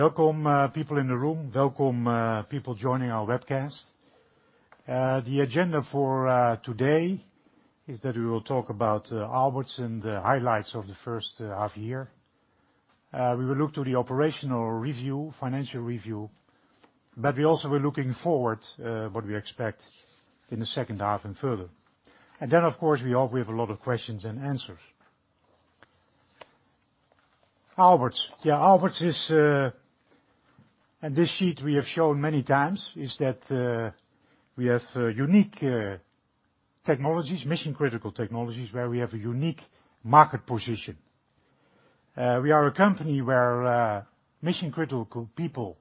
Welcome, people in the room. Welcome, people joining our webcast. The agenda for today is that we will talk about Aalberts and the highlights of the first half year. We will look to the operational review, financial review, we also were looking forward what we expect in the second half and further. Then, of course, we hope we have a lot of questions and answers. Aalberts. Yeah, Aalberts is, and this sheet we have shown many times, is that we have unique technologies, mission-critical technologies, where we have a unique market position. We are a company where mission-critical people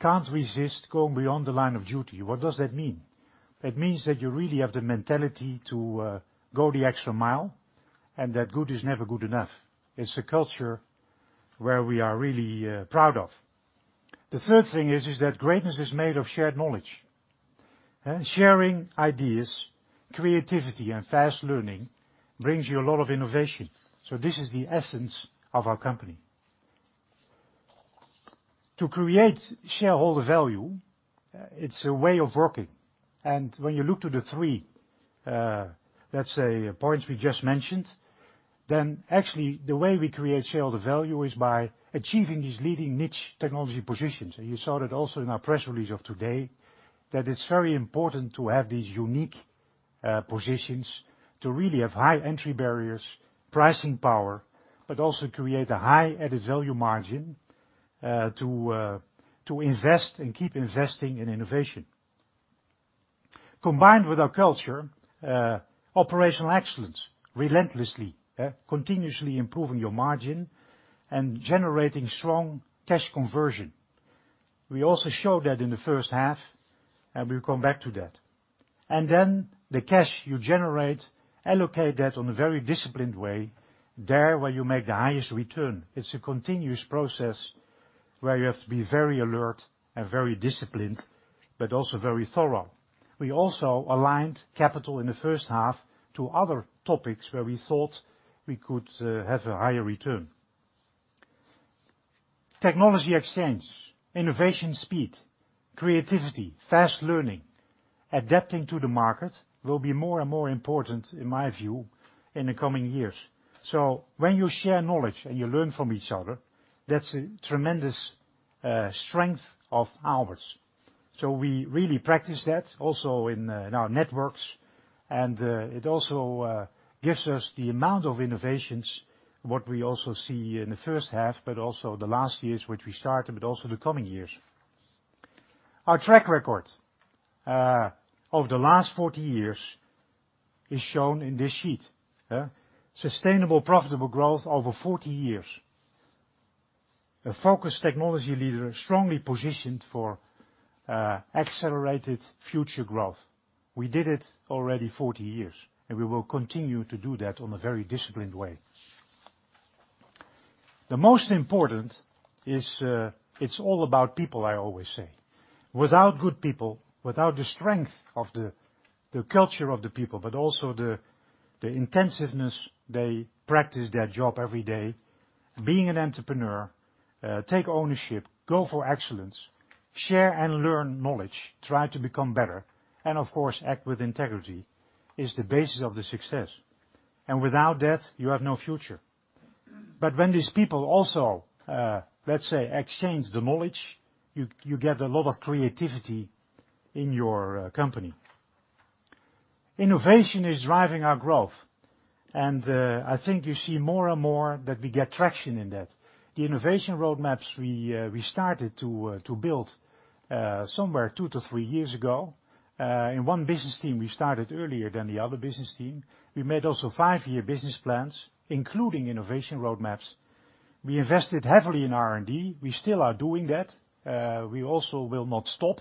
can't resist going beyond the line of duty. What does that mean? It means that you really have the mentality to go the extra mile and that good is never good enough. It's a culture where we are really proud of. The third thing is that greatness is made of shared knowledge. Sharing ideas, creativity, and fast learning brings you a lot of innovation. This is the essence of our company. To create shareholder value, it's a way of working. When you look to the three points we just mentioned, then actually the way we create shareholder value is by achieving these leading niche technology positions. You saw that also in our press release of today, that it's very important to have these unique positions to really have high entry barriers, pricing power, but also create a high added value margin, to invest and keep investing in innovation. Combined with our culture, operational excellence, relentlessly, continuously improving your margin and generating strong cash conversion. We also showed that in the first half, and we'll come back to that. The cash you generate, allocate that on a very disciplined way there where you make the highest return. It's a continuous process where you have to be very alert and very disciplined, but also very thorough. We also aligned capital in the first half to other topics where we thought we could have a higher return. Technology exchange, innovation speed, creativity, fast learning, adapting to the market will be more and more important, in my view, in the coming years. When you share knowledge and you learn from each other, that's a tremendous strength of ours. We really practice that also in our networks, and it also gives us the amount of innovations, what we also see in the first half, but also the last years which we started, but also the coming years. Our track record of the last 40 years is shown in this sheet. Sustainable, profitable growth over 40 years. A focused technology leader, strongly positioned for accelerated future growth. We did it already 40 years, we will continue to do that on a very disciplined way. The most important is, it's all about people, I always say. Without good people, without the strength of the culture of the people, but also the intensiveness they practice their job every day, being an entrepreneur, take ownership, go for excellence, share and learn knowledge, try to become better, and of course, act with integrity is the basis of the success. Without that, you have no future. When these people also, let's say, exchange the knowledge, you get a lot of creativity in your company. Innovation is driving our growth, and I think you see more and more that we get traction in that. The innovation roadmaps we started to build somewhere two to three years ago. In one business team, we started earlier than the other business team. We made also five-year business plans, including innovation roadmaps. We invested heavily in R&D. We still are doing that. We also will not stop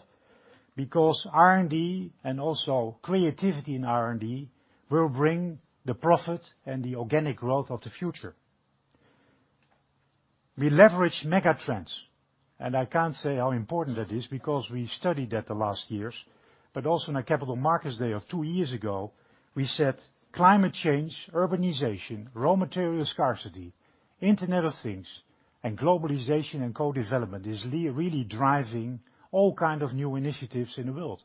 because R&D and also creativity in R&D will bring the profit and the organic growth of the future. We leverage megatrends, and I can't say how important that is because we studied that the last years, but also in our capital markets day of two years ago, we said climate change, urbanization, raw material scarcity, Internet of Things, and globalization and co-development is really driving all kind of new initiatives in the world.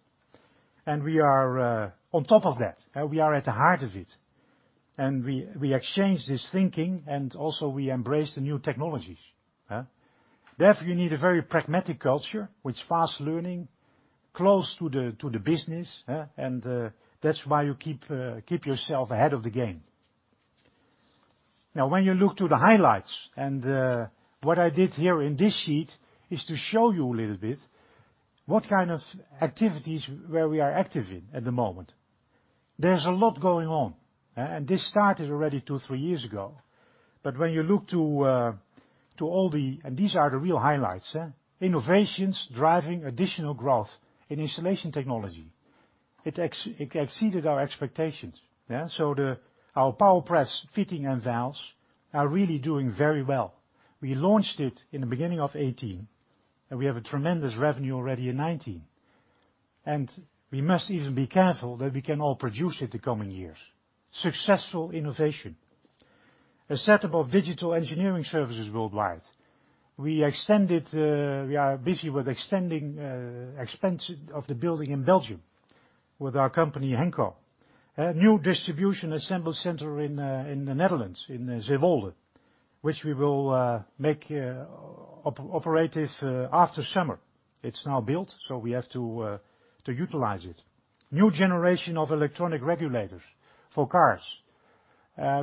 We are on top of that. We are at the heart of it. We exchange this thinking, and also we embrace the new technologies. There, you need a very pragmatic culture with fast learning, close to the business, and that's why you keep yourself ahead of the game. When you look to the highlights, and what I did here in this sheet is to show you a little bit what kind of activities where we are active in at the moment. There's a lot going on. This started already two, three years ago. These are the real highlights. Innovations driving additional growth in Installation Technology. It exceeded our expectations. Our PowerPress fitting and valves are really doing very well. We launched it in the beginning of 2018, we have a tremendous revenue already in 2019. We must even be careful that we can all produce it the coming years. Successful innovation. A set of digital engineering services worldwide. We are busy with extending expense of the building in Belgium with our company, Henco. A new distribution assembly center in the Netherlands, in Zwolle, which we will make operative after summer. It's now built, so we have to utilize it. New generation of electronic regulators for cars.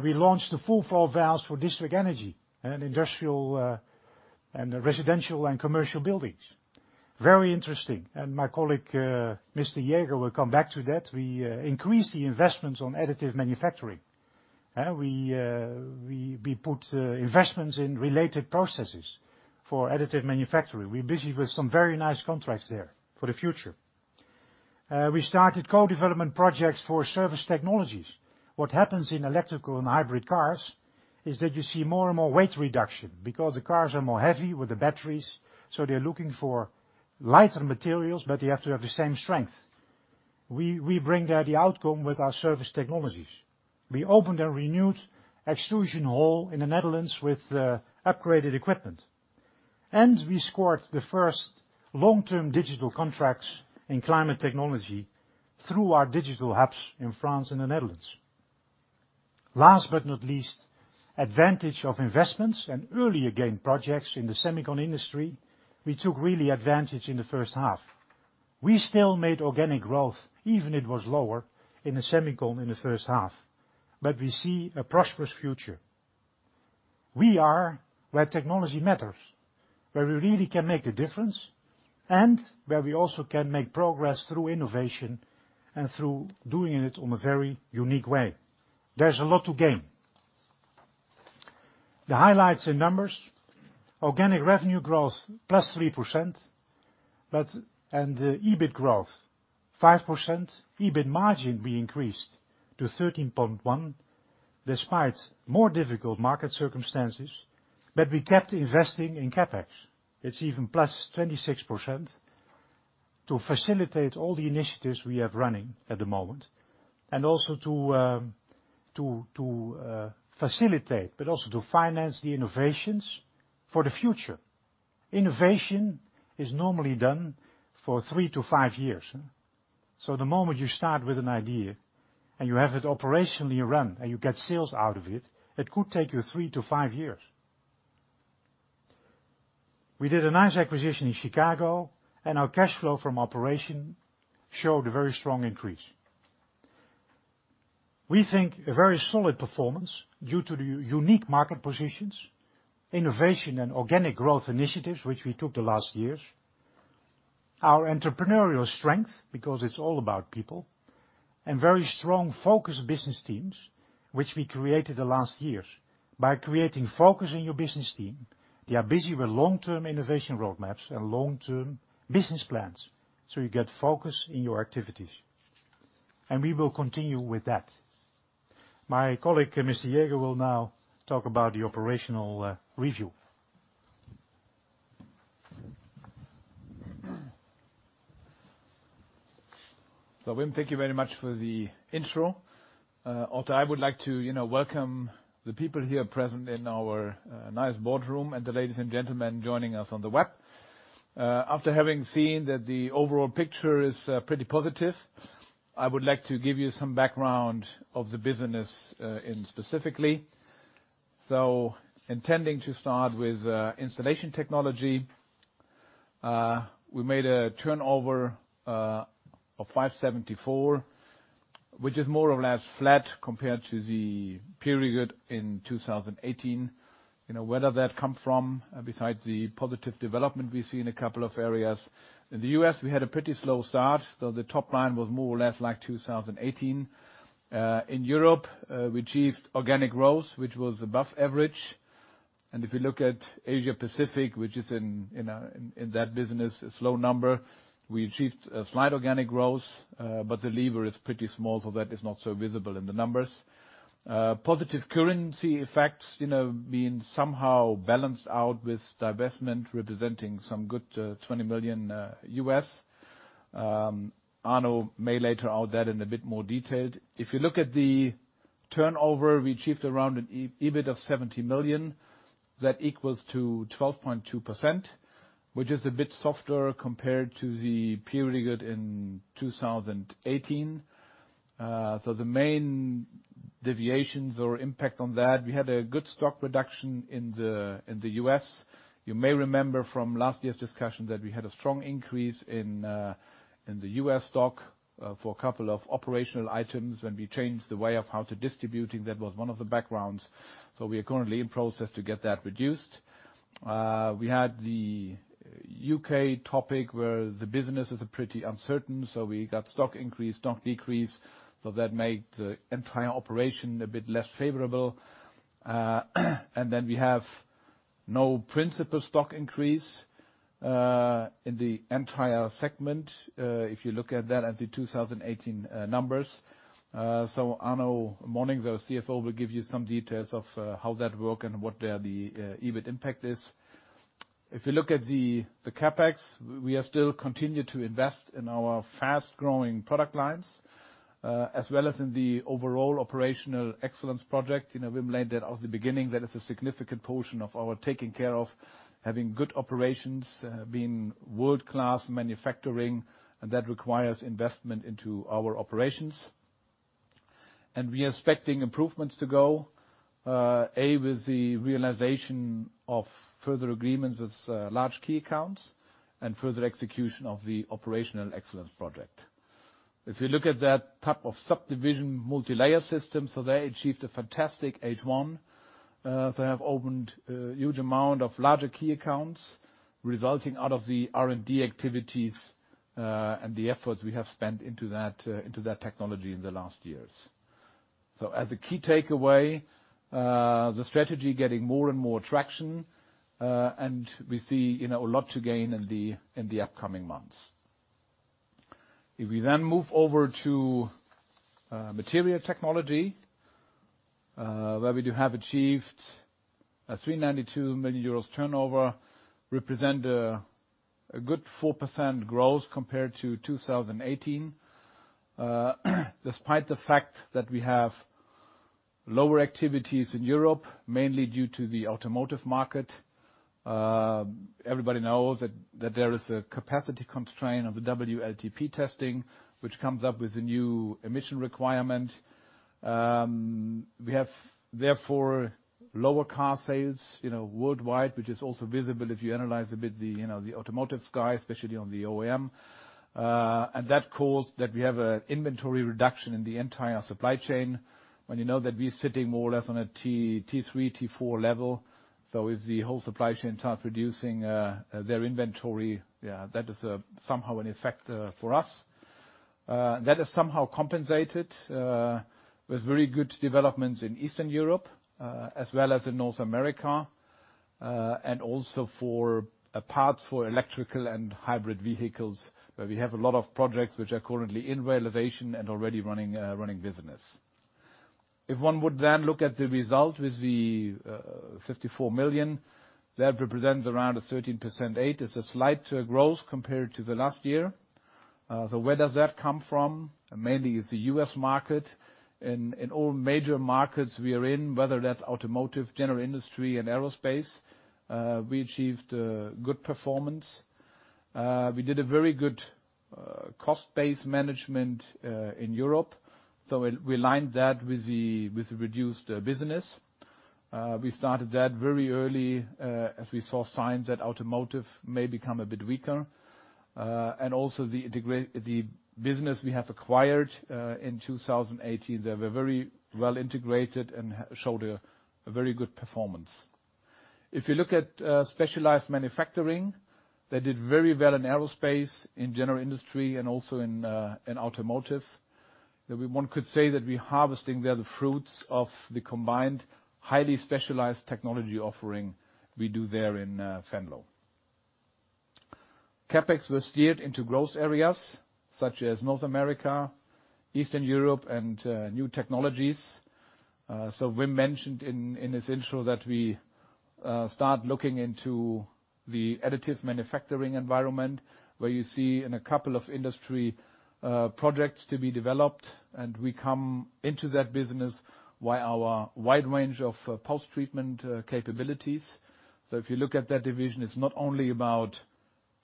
We launched the FullFlow valves for district energy and industrial and residential and commercial buildings. Very interesting, and my colleague, Mr. Jäger, will come back to that. We increased the investments on additive manufacturing. We put investments in related processes for additive manufacturing. We're busy with some very nice contracts there for the future. We started co-development projects for surface technologies. What happens in electrical and hybrid cars is that you see more and more weight reduction because the cars are more heavy with the batteries. They're looking for lighter materials, but they have to have the same strength. We bring there the outcome with our surface technologies. We opened a renewed extrusion hall in the Netherlands with upgraded equipment. We scored the first long-term digital contracts in Climate Technology through our digital hubs in France and the Netherlands. Last but not least, advantage of investments and earlier gained projects in the semicon industry, we took really advantage in the first half. We still made organic growth, even it was lower in the semicon in the first half. We see a prosperous future. We are where technology matters, where we really can make a difference, and where we also can make progress through innovation and through doing it on a very unique way. There's a lot to gain. The highlights in numbers, organic revenue growth +3%, and the EBIT growth +5%. EBIT margin, we increased to 13.1% despite more difficult market circumstances. We kept investing in CapEx. It's even +26% to facilitate all the initiatives we have running at the moment and also to facilitate but also to finance the innovations for the future. Innovation is normally done for three to five years. The moment you start with an idea and you have it operationally run and you get sales out of it could take you three to five years. We did a nice acquisition in Chicago, and our cash flow from operation showed a very strong increase. We think a very solid performance due to the unique market positions, innovation and organic growth initiatives which we took the last years, our entrepreneurial strength, because it is all about people, and very strong focused business teams, which we created the last years. By creating focus in your business team, they are busy with long-term innovation roadmaps and long-term business plans. You get focus in your activities. We will continue with that. My colleague, Mr. Jäger, will now talk about the operational review. Wim, thank you very much for the intro. Also, I would like to welcome the people here present in our nice boardroom and the ladies and gentlemen joining us on the web. After having seen that the overall picture is pretty positive, I would like to give you some background of the business specifically. Intending to start with Installation Technology. We made a turnover of 574, which is more or less flat compared to the period in 2018. Whether that come from, besides the positive development we see in a couple of areas. In the U.S., we had a pretty slow start, though the top line was more or less like 2018. In Europe, we achieved organic growth, which was above average. If you look at Asia Pacific, which is in that business, a slow number. We achieved a slight organic growth, the lever is pretty small, that is not so visible in the numbers. Positive currency effects being somehow balanced out with divestment representing some good $20 million. Arno may later add that in a bit more detailed. If you look at the turnover, we achieved around an EBIT of 70 million. That equals to 12.2%, which is a bit softer compared to the period in 2018. The main deviations or impact on that, we had a good stock reduction in the U.S. You may remember from last year's discussion that we had a strong increase in the U.S. stock for a couple of operational items when we changed the way of how to distributing, that was one of the backgrounds. We are currently in process to get that reduced. We had the U.K. topic where the business is pretty uncertain. We got stock increase, stock decrease, so that made the entire operation a bit less favorable. We have no principal stock increase in the entire segment, if you look at that at the 2018 numbers. Arno Monincx, our CFO, will give you some details of how that work and what there the EBIT impact is. If you look at the CapEx, we are still continued to invest in our fast-growing product lines, as well as in the overall operational excellence project. Wim laid that out at the beginning. That is a significant portion of our taking care of having good operations, being world-class manufacturing, and that requires investment into our operations. We are expecting improvements to go, A, with the realization of further agreements with large key accounts, and further execution of the operational excellence project. If you look at that type of subdivision, Multilayer Systems, they achieved a fantastic H1. They have opened a huge amount of larger key accounts, resulting out of the R&D activities and the efforts we have spent into that technology in the last years. As a key takeaway, the strategy getting more and more traction, and we see a lot to gain in the upcoming months. If we then move over to Material Technology, where we do have achieved a 392 million euros turnover, represent a good 4% growth compared to 2018, despite the fact that we have lower activities in Europe, mainly due to the automotive market. Everybody knows that there is a capacity constraint on the WLTP testing, which comes up with a new emission requirement. We have therefore lower car sales worldwide, which is also visible if you analyze a bit the automotive side, especially on the OEM. That caused that we have an inventory reduction in the entire supply chain. When you know that we're sitting more or less on a T3, T4 level. If the whole supply chain starts reducing their inventory, that is somehow an effect for us. That is somehow compensated with very good developments in Eastern Europe, as well as in North America, and also for parts for electrical and hybrid vehicles, where we have a lot of projects which are currently in realization and already running business. If one would then look at the result with the 54 million, that represents around a 13% EBITA. It's a slight growth compared to the last year. Where does that come from? Mainly it's the U.S. market and all major markets we are in, whether that's automotive, general industry and aerospace, we achieved good performance. We did a very good cost-based management in Europe. We aligned that with the reduced business. We started that very early, as we saw signs that automotive may become a bit weaker. Also the business we have acquired in 2018, they were very well integrated and showed a very good performance. If you look at Specialised Manufacturing, they did very well in aerospace, in general industry and also in automotive. One could say that we're harvesting there the fruits of the combined highly specialized technology offering we do there in Venlo. CapEx was steered into growth areas such as North America, Eastern Europe and new technologies. Wim mentioned in his intro that we start looking into the additive manufacturing environment, where you see in a couple of industry projects to be developed and we come into that business via our wide range of post-treatment capabilities. If you look at that division, it's not only about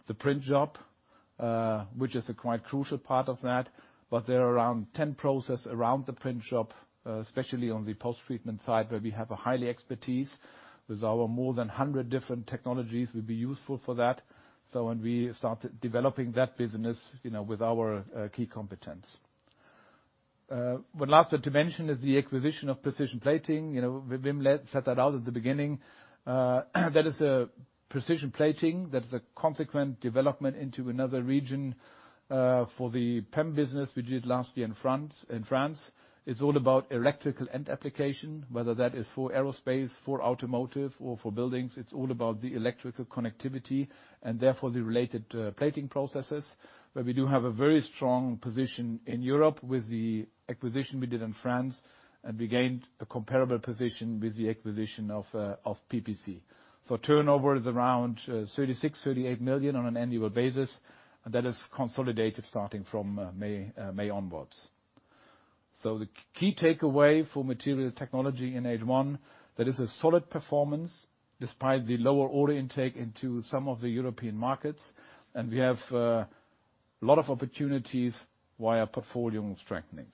the print shop, which is a quite crucial part of that, but there are around 10 process around the print shop, especially on the post-treatment side, where we have a high expertise with our more than 100 different technologies will be useful for that. When we started developing that business with our key competence. One last thing to mention is the acquisition of Precision Plating. Wim set that out at the beginning. That is a Precision Plating, that is a consequent development into another region for the PEM business we did last year in France. It's all about electrical end application, whether that is for aerospace, for automotive or for buildings. It's all about the electrical connectivity and therefore the related plating processes, where we do have a very strong position in Europe with the acquisition we did in France, and we gained a comparable position with the acquisition of PPC. Turnover is around 36 million-38 million on an annual basis, and that is consolidated starting from May onwards. The key takeaway for Material Technology in H1, that is a solid performance despite the lower order intake into some of the European markets, and we have a lot of opportunities via portfolio strengthenings.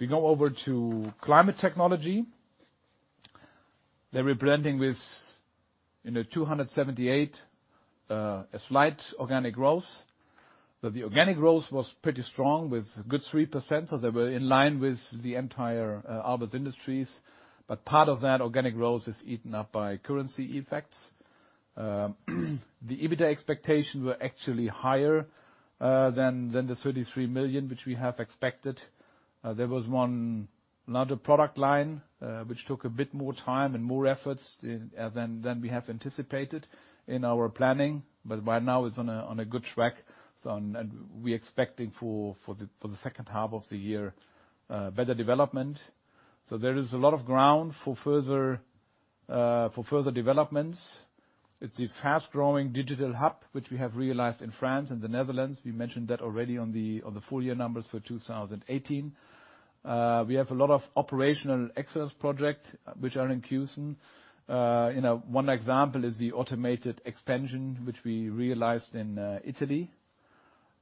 We go over to Climate Technology, they're rebranding with 278, a slight organic growth. The organic growth was pretty strong with a good 3%, they were in line with the entire Aalberts Industries. Part of that organic growth is eaten up by currency effects. The EBITDA expectations were actually higher than the 33 million, which we have expected. There was one larger product line, which took a bit more time and more efforts than we have anticipated in our planning. Right now it's on a good track. We expecting for the second half of the year, better development. There is a lot of ground for further developments. It's a fast-growing digital hub, which we have realized in France and the Netherlands. We mentioned that already on the full year numbers for 2018. We have a lot of operational excellence projects, which are in queue. One example is the automated expansion, which we realized in Italy.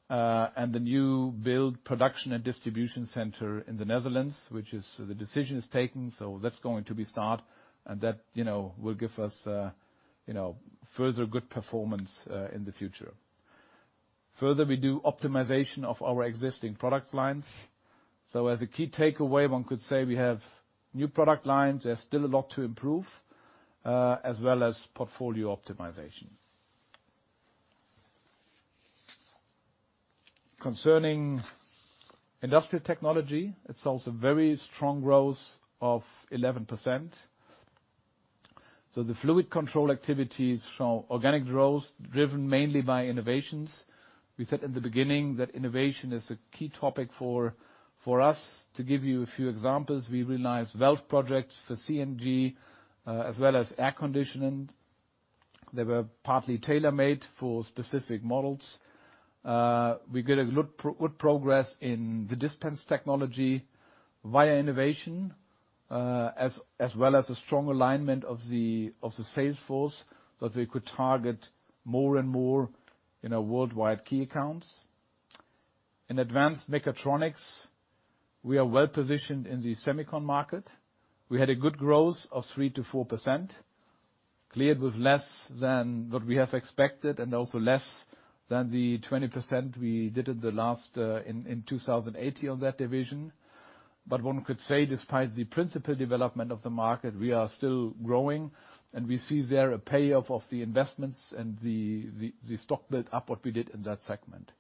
The new build production and distribution center in the Netherlands, which the decision is taken, that's going to be start. That will give us further good performance in the future. Further, we do optimization of our existing product lines. As a key takeaway, one could say we have new product lines. There is still a lot to improve, as well as portfolio optimization. Concerning Industrial Technology, it's also very strong growth of 11%. The fluid control activities show organic growth driven mainly by innovations. We said in the beginning that innovation is a key topic for us. To give you a few examples, we realized valve projects for CNG, as well as air conditioning. They were partly tailor-made for specific models. We get a good progress in the dispense technologies via innovation, as well as a strong alignment of the sales force that we could target more and more worldwide key accounts. In Advanced Mechatronics, we are well positioned in the semicon market. We had a good growth of 3%-4%, cleared with less than what we have expected and also less than the 20% we did in 2018 on that division. One could say despite the principal development of the market, we are still growing, and we see there a payoff of the investments and the stock build up what we did in that segment.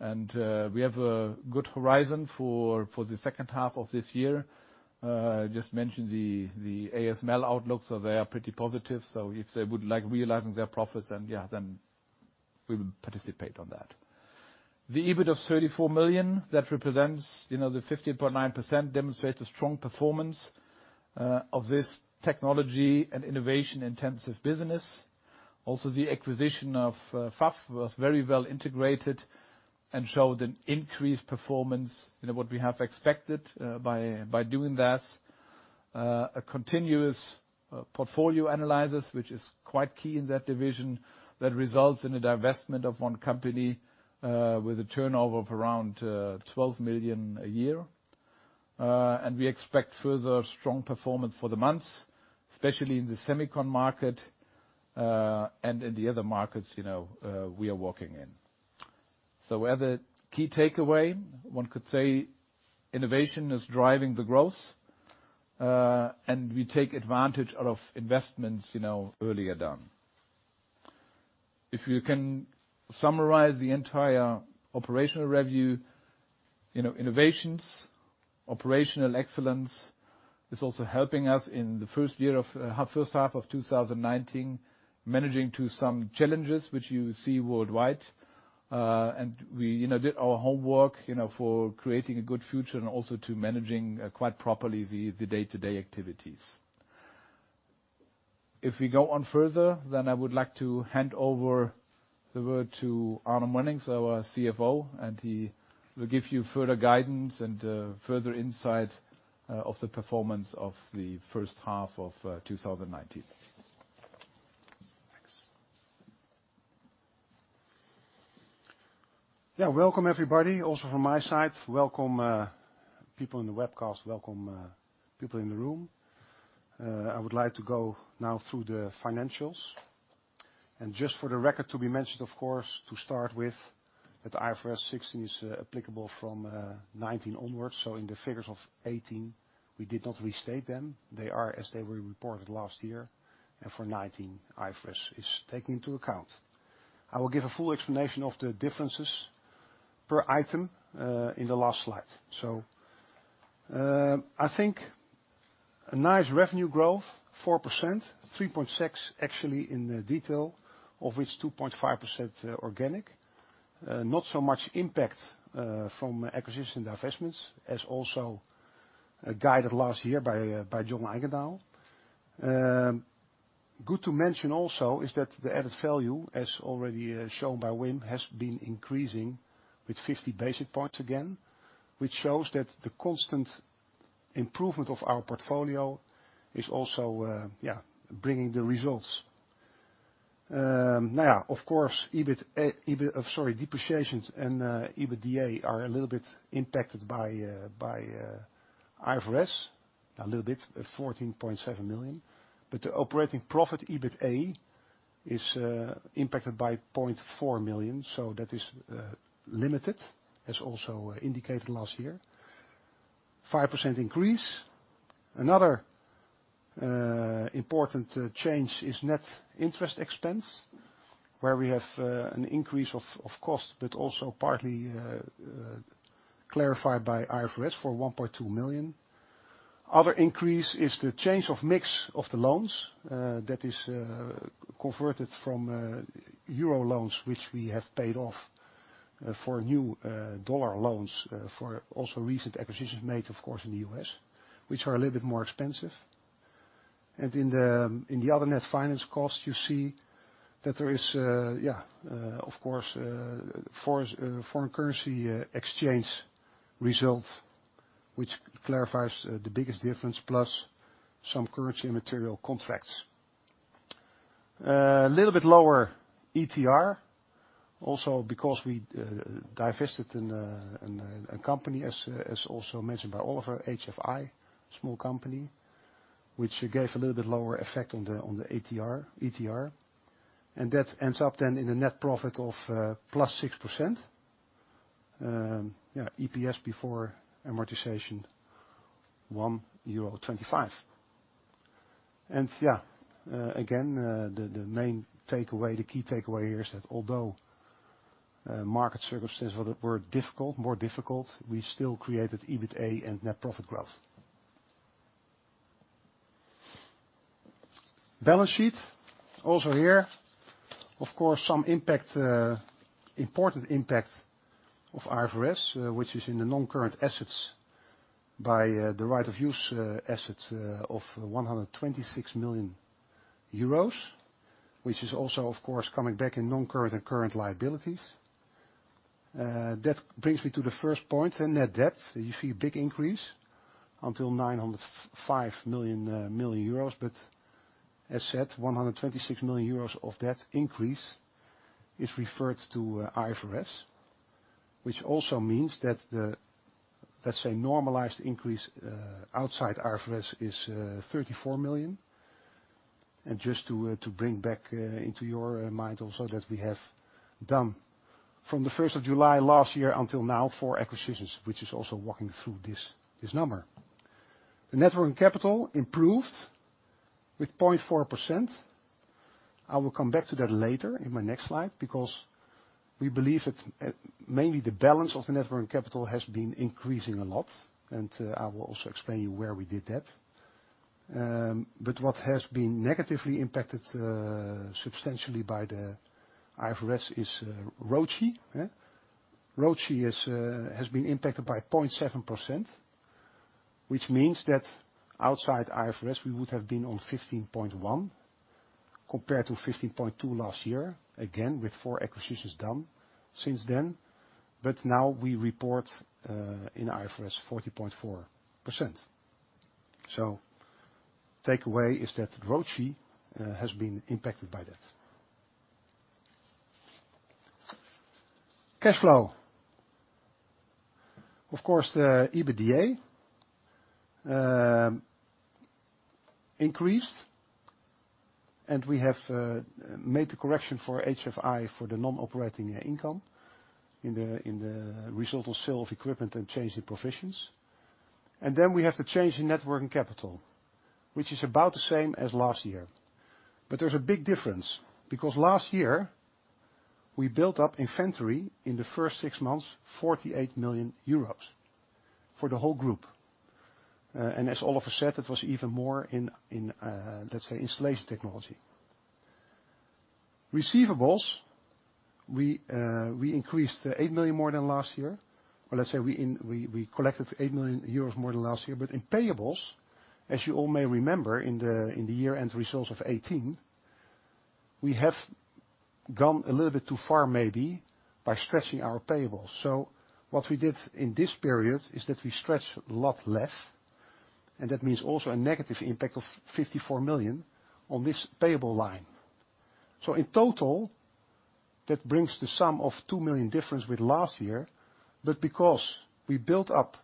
We have a good horizon for the second half of this year. Just mentioned the ASML outlook. They are pretty positive. If they would like realizing their profits, we will participate on that. The EBITDA of 34 million, that represents the 15.9%, demonstrates a strong performance of this technology and innovation-intensive business. The acquisition of VAF was very well integrated and showed an increased performance in what we have expected by doing that. A continuous portfolio analysis, which is quite key in that division, that results in a divestment of one company with a turnover of around 12 million a year. We expect further strong performance for the months, especially in the semicon market, and in the other markets we are working in. As a key takeaway, one could say innovation is driving the growth, and we take advantage of investments earlier done. If you can summarize the entire operational review, innovations, operational excellence is also helping us in the first half of 2019, managing to some challenges which you see worldwide. We did our homework for creating a good future and also to managing quite properly the day-to-day activities. If we go on further, I would like to hand over the word to Arno Monincx, our CFO, and he will give you further guidance and further insight of the performance of the first half of 2019. Thanks. Welcome everybody, also from my side. Welcome people in the webcast. Welcome people in the room. I would like to go now through the financials. Just for the record to be mentioned, of course, to start with, that IFRS 16 is applicable from 2019 onwards. In the figures of 2018, we did not restate them. They are as they were reported last year. For 2019, IFRS is taken into account. I will give a full explanation of the differences per item in the last slide. I think a nice revenue growth, 4%, 3.6% actually in the detail, of which 2.5% organic. Not so much impact from acquisitions and divestments as also guided last year by John Eijgendaal. Good to mention also is that the added value, as already shown by Wim, has been increasing with 50 basis points again, which shows that the constant improvement of our portfolio is also bringing the results. Of course, depreciations and EBITDA are a little bit impacted by IFRS, a little bit at 14.7 million, but the operating profit, EBITA, is impacted by 0.4 million, that is limited, as also indicated last year. 5% increase. Another important change is net interest expense, where we have an increase of cost, also partly clarified by IFRS for 1.2 million. Other increase is the change of mix of the loans that is converted from EUR loans, which we have paid off for new USD loans for also recent acquisitions made, of course, in the U.S., which are a little bit more expensive. In the other net finance costs, you see that there is, of course, foreign currency exchange result, which clarifies the biggest difference, plus some currency material contracts. A little bit lower ETR, also because we divested in a company, as also mentioned by Oliver, HFI, small company, which gave a little bit lower effect on the ETR. That ends up then in a net profit of plus 6%. EPS before amortization, 1.25 euro. Again, the main takeaway, the key takeaway here is that although market circumstances were difficult, more difficult, we still created EBITA and net profit growth. Balance sheet, also here, of course, some important impact of IFRS, which is in the non-current assets by the right of use assets of 126 million euros, which is also, of course, coming back in non-current and current liabilities. That brings me to the first point in net debt. You see a big increase until 905 million euros, as said, 126 million euros of that increase is referred to IFRS, which also means that the, let's say, normalized increase outside IFRS is 34 million. Just to bring back into your mind also that we have done from the first of July last year until now, four acquisitions, which is also walking through this number. The net working capital improved with 0.4%. I will come back to that later in my next slide because we believe that mainly the balance of the net working capital has been increasing a lot, and I will also explain you where we did that. What has been negatively impacted substantially by the IFRS is ROCE. ROCE has been impacted by 0.7%, which means that outside IFRS, we would have been on 15.1% compared to 15.2% last year, again, with four acquisitions done since then. Now we report in IFRS 14.4%. Takeaway is that ROCE has been impacted by that. Cash flow. Of course, the EBITDA increased, and we have made the correction for HFI for the non-operating income in the result of sale of equipment and change in provisions. We have the change in net working capital, which is about the same as last year. There's a big difference because last year we built up inventory in the first six months, 48 million euros for the whole group. As Oliver said, it was even more in, let's say, Installation Technology. Receivables, we increased to 8 million more than last year, or let's say we collected 8 million euros more than last year. In payables, as you all may remember in the year-end results of 2018, we have gone a little bit too far maybe by stretching our payables. What we did in this period is that we stretched a lot less, and that means also a negative impact of 54 million on this payable line. In total, that brings the sum of 2 million difference with last year. Because we built up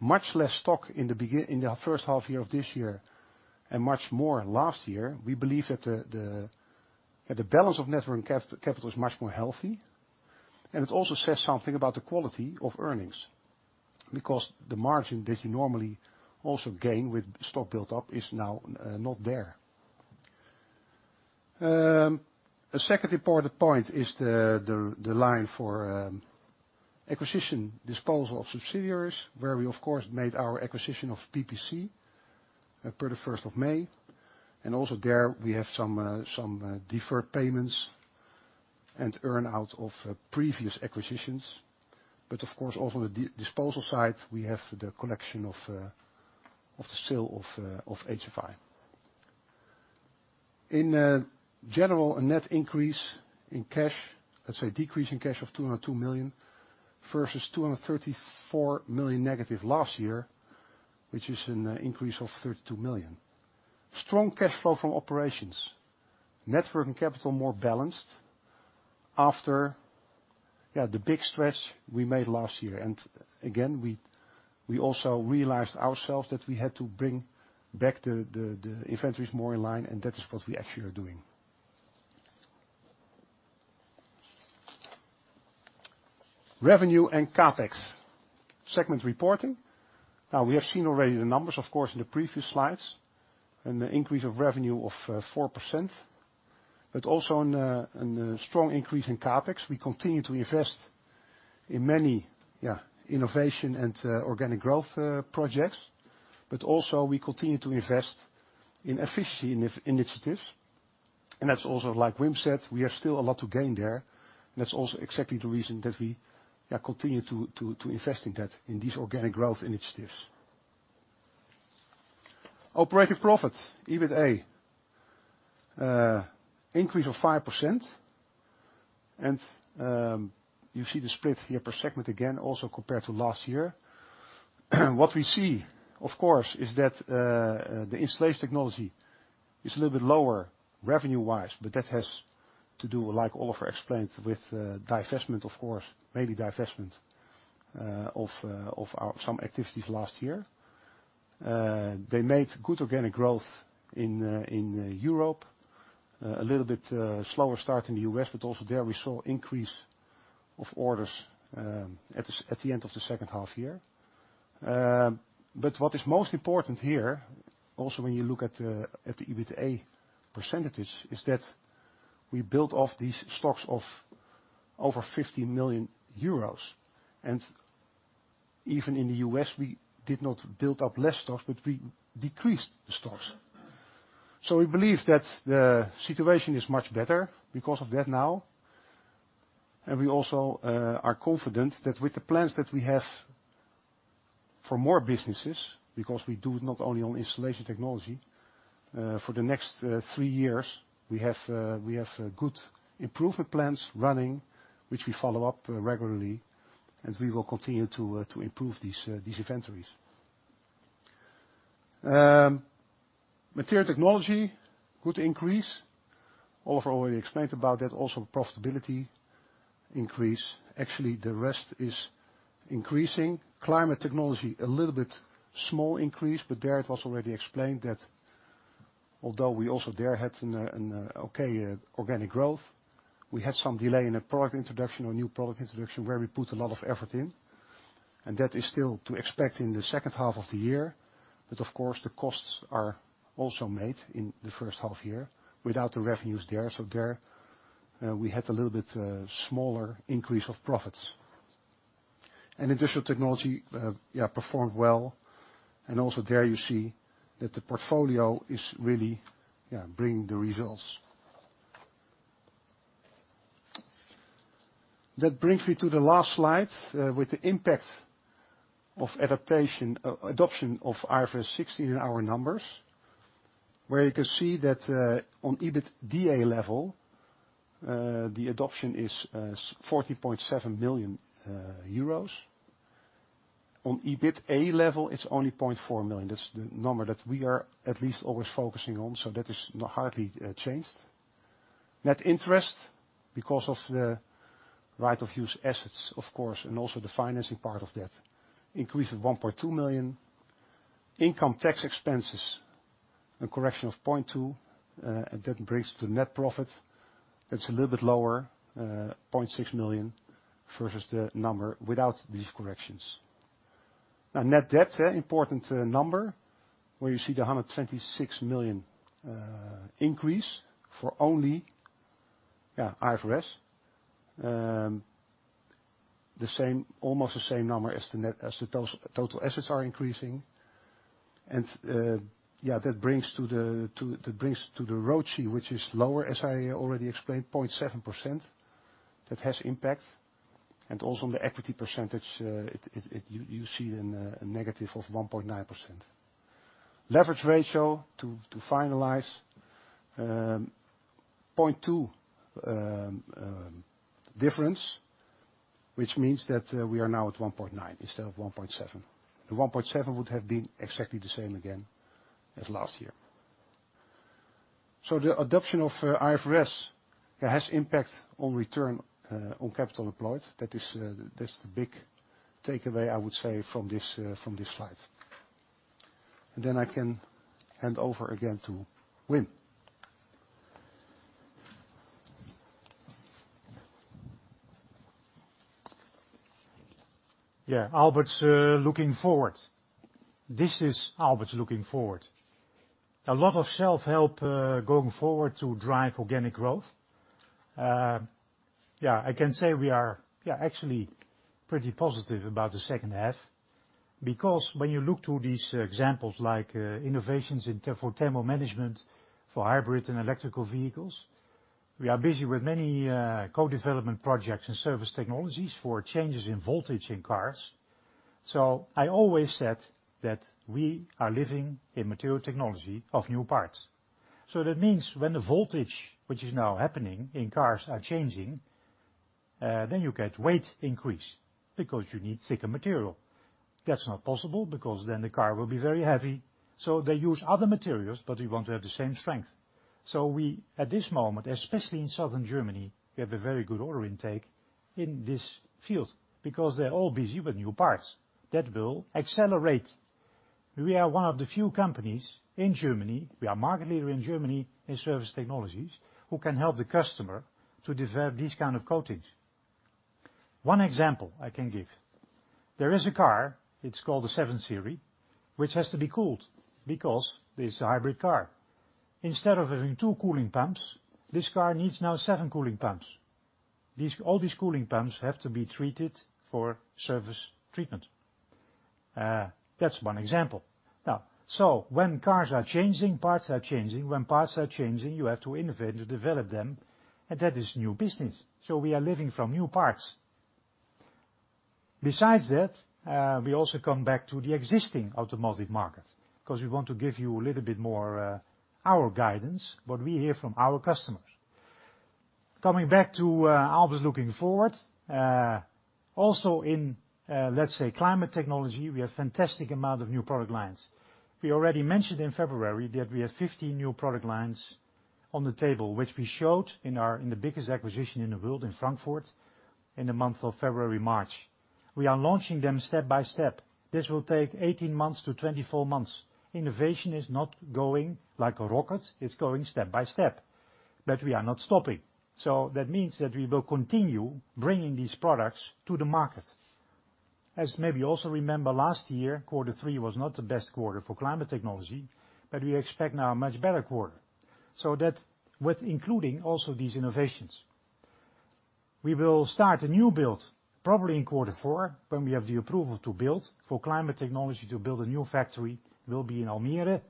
much less stock in the first half year of this year and much more last year, we believe that the balance of net working capital is much more healthy. It also says something about the quality of earnings, because the margin that you normally also gain with stock built up is now not there. A second important point is the line for acquisition disposal of subsidiaries, where we, of course, made our acquisition of PPC per the 1st of May. Also there we have some deferred payments and earn out of previous acquisitions. Of course, also on the disposal side, we have the collection of the sale of HFI. In general, a net increase in cash, let's say decrease in cash of 202 million versus 234 million negative last year, which is an increase of 32 million. Strong cash flow from operations. Net working capital more balanced after the big stretch we made last year. Again, we also realized ourselves that we had to bring back the inventories more in line, and that is what we actually are doing. Revenue and CapEx segment reporting. Now, we have seen already the numbers, of course, in the previous slides, an increase of revenue of 4%, but also a strong increase in CapEx. We continue to invest in many innovation and organic growth projects, but also we continue to invest in efficiency initiatives, and that's also like Wim said, we are still a lot to gain there. That's also exactly the reason that we continue to invest in that, in these organic growth initiatives. Operating profit, EBITA, increase of 5%, and you see the split here per segment again, also compared to last year. What we see, of course, is that the Installation Technology is a little bit lower revenue-wise, but that has to do, like Oliver explained, with mainly divestment of some activities last year. They made good organic growth in Europe. A little bit slower start in the U.S., also there we saw increase of orders at the end of the second half year. What is most important here, also when you look at the EBITDA %, is that we built off these stocks of over 50 million euros. Even in the U.S., we did not build up less stocks, but we decreased the stocks. We believe that the situation is much better because of that now. We also are confident that with the plans that we have for more businesses, because we do it not only on Installation Technology, for the next three years, we have good improvement plans running, which we follow up regularly, we will continue to improve these inventories. Material Technology, good increase. Oliver already explained about that. Also profitability increase. Actually, the rest is increasing. Climate Technology, a little bit small increase, but there it was already explained that although we also there had an okay organic growth, we had some delay in a product introduction or new product introduction where we put a lot of effort in, and that is still to expect in the second half of the year. Of course, the costs are also made in the first half year without the revenues there. There we had a little bit smaller increase of profits. Industrial Technology performed well, and also there you see that the portfolio is really bringing the results. That brings me to the last slide with the impact of adoption of IFRS 16 in our numbers, where you can see that on EBITDA level, the adoption is 40.7 million euros. On EBITA level, it's only 0.4 million. That's the number that we are at least always focusing on. That is hardly changed. Net interest because of the right of use assets, of course, and also the financing part of that increased to 1.2 million. Income tax expenses, a correction of 0.2 million, that brings the net profit. It's a little bit lower, 0.6 million versus the number without these corrections. Net debt, important number, where you see the 126 million increase for only IFRS. Almost the same number as the total assets are increasing. That brings to the ROCE, which is lower, as I already explained, 0.7%. That has impact. Also on the equity percentage, you see a negative of 1.9%. Leverage ratio to finalize, 0.2 difference, which means that we are now at 1.9 instead of 1.7. The 1.7 would have been exactly the same again as last year. The adoption of IFRS has impact on return on capital employed. That's the big takeaway, I would say, from this slide. I can hand over again to Wim. Yeah, Aalberts looking forward. This is Aalberts looking forward. A lot of self-help going forward to drive organic growth. I can say we are actually pretty positive about the second half because when you look to these examples like innovations for thermal management for hybrid and electrical vehicles, we are busy with many co-development projects and Surface Technologies for changes in voltage in cars. I always said that we are living in Material Technology of new parts. That means when the voltage, which is now happening in cars, are changing, then you get weight increase because you need thicker material. That's not possible because then the car will be very heavy. They use other materials, but we want to have the same strength. We, at this moment, especially in Southern Germany, we have a very good order intake in this field because they're all busy with new parts. That will accelerate. We are one of the few companies in Germany, we are market leader in Germany in Surface Technologies, who can help the customer to develop these kind of coatings. One example I can give. There is a car, it's called the 7 Series, which has to be cooled because it is a hybrid car. Instead of having two cooling pumps, this car needs now seven cooling pumps. All these cooling pumps have to be treated for surface treatment. That's one example. When cars are changing, parts are changing. When parts are changing, you have to innovate to develop them, and that is new business. We are living from new parts. Besides that, we also come back to the existing automotive market, because we want to give you a little bit more our guidance, what we hear from our customers. Coming back to Aalberts looking forward. In, let's say, Climate Technology, we have fantastic amount of new product lines. We already mentioned in February that we have 50 new product lines on the table, which we showed in the biggest exhibition in the world, in Frankfurt, in the month of February, March. We are launching them step by step. This will take 18 months to 24 months. Innovation is not going like a rocket. It's going step by step, but we are not stopping. That means that we will continue bringing these products to the market. As maybe you also remember last year, quarter three was not the best quarter for Climate Technology, but we expect now a much better quarter. That with including also these innovations. We will start a new build probably in quarter four, when we have the approval to build for Climate Technology to build a new factory will be in Almere.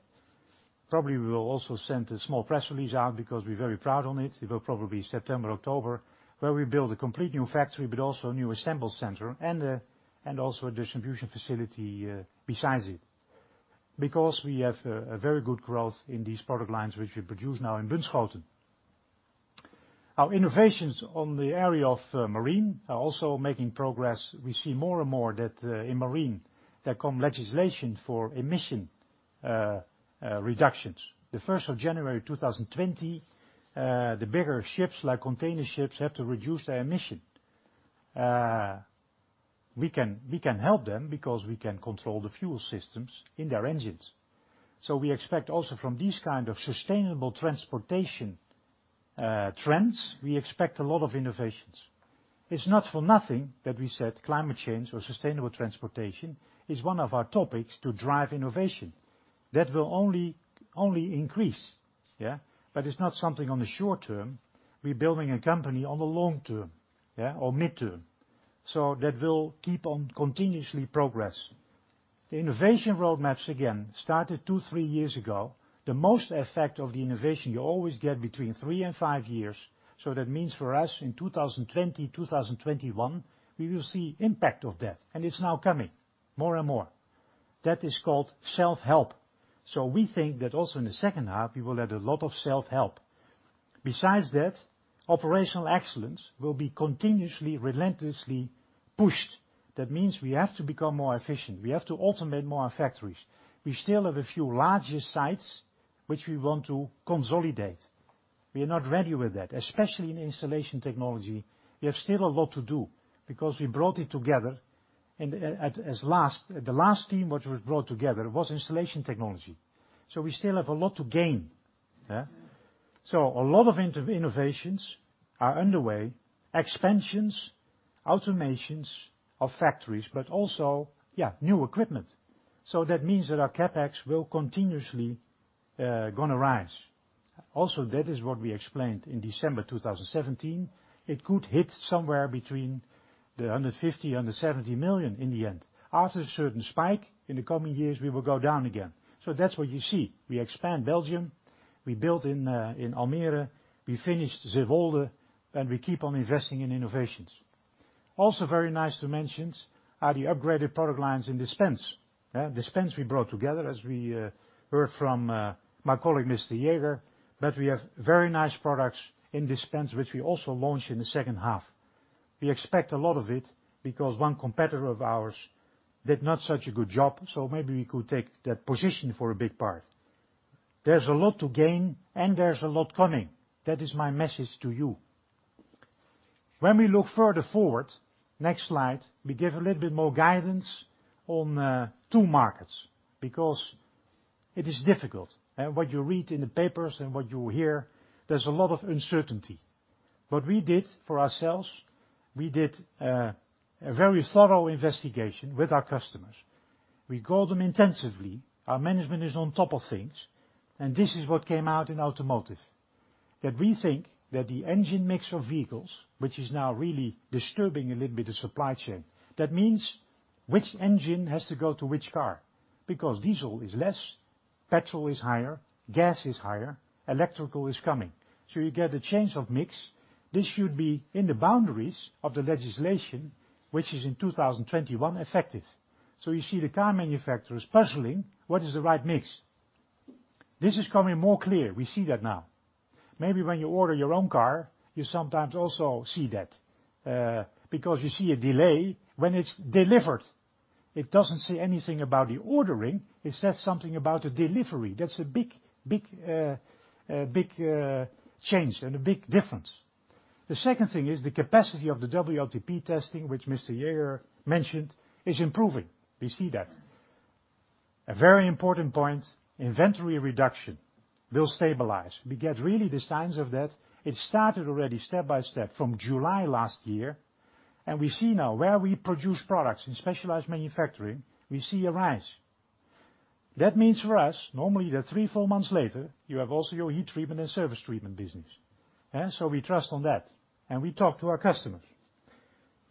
Probably we will also send a small press release out because we're very proud on it. It will probably be September, October, where we build a complete new factory, but also a new assemble center and also a distribution facility besides it. We have a very good growth in these product lines, which we produce now in Bunschoten. Our innovations on the area of marine are also making progress. We see more and more that in marine there come legislation for emission reductions. The 1st of January 2020, the bigger ships, like container ships, have to reduce their emission. We can help them because we can control the fuel systems in their engines. We expect also from these kind of sustainable transportation trends, we expect a lot of innovations. It's not for nothing that we said climate change or sustainable transportation is one of our topics to drive innovation. That will only increase. Yeah. It's not something on the short term. We're building a company on the long term, or mid-term. That will keep on continuously progress. The innovation roadmaps again started two, three years ago. The most effect of the innovation you always get between three and five years. That means for us in 2020, 2021, we will see impact of that, and it's now coming more and more. That is called self-help. We think that also in the second half, we will have a lot of self-help. Besides that, operational excellence will be continuously, relentlessly pushed. That means we have to become more efficient. We have to automate more our factories. We still have a few larger sites which we want to consolidate. We are not ready with that, especially in Installation Technology. We have still a lot to do because we brought it together and the last team which was brought together was Installation Technology. We still have a lot to gain. A lot of innovations are underway, expansions, automations of factories, but also new equipment. That means that our CapEx will continuously going to rise. Also, that is what we explained in December 2017. It could hit somewhere between 150 million-170 million in the end. After a certain spike in the coming years, we will go down again. That's what you see. We expand Belgium, we build in Almere, we finished Zeewolde, and we keep on investing in innovations. Also very nice to mention are the upgraded product lines in dispense. Dispense we brought together, as we heard from my colleague, Mr. Jäger, that we have very nice products in dispense, which we also launch in the second half. We expect a lot of it because one competitor of ours did not such a good job, so maybe we could take that position for a big part. There's a lot to gain and there's a lot coming. That is my message to you. When we look further forward, next slide, we give a little bit more guidance on two markets because it is difficult. What you read in the papers and what you hear, there's a lot of uncertainty. What we did for ourselves, we did a very thorough investigation with our customers. We called them intensively. Our management is on top of things. This is what came out in automotive, that we think that the engine mix of vehicles, which is now really disturbing a little bit of supply chain. That means which engine has to go to which car, because diesel is less, petrol is higher, gas is higher, electrical is coming. You get a change of mix. This should be in the boundaries of the legislation, which is in 2021 effective. You see the car manufacturer is puzzling, what is the right mix? This is coming more clear. We see that now. Maybe when you order your own car, you sometimes also see that, because you see a delay when it's delivered. It doesn't say anything about the ordering. It says something about the delivery. That's a big change and a big difference. The second thing is the capacity of the WLTP testing, which Mr. Jäger mentioned, is improving. We see that. A very important point, inventory reduction will stabilize. We get really the signs of that. It started already step by step from July last year. We see now where we produce products in specialized manufacturing, we see a rise. That means for us, normally they're three, four months later, you have also your heat treatment and surface treatment business. We trust on that, and we talk to our customers.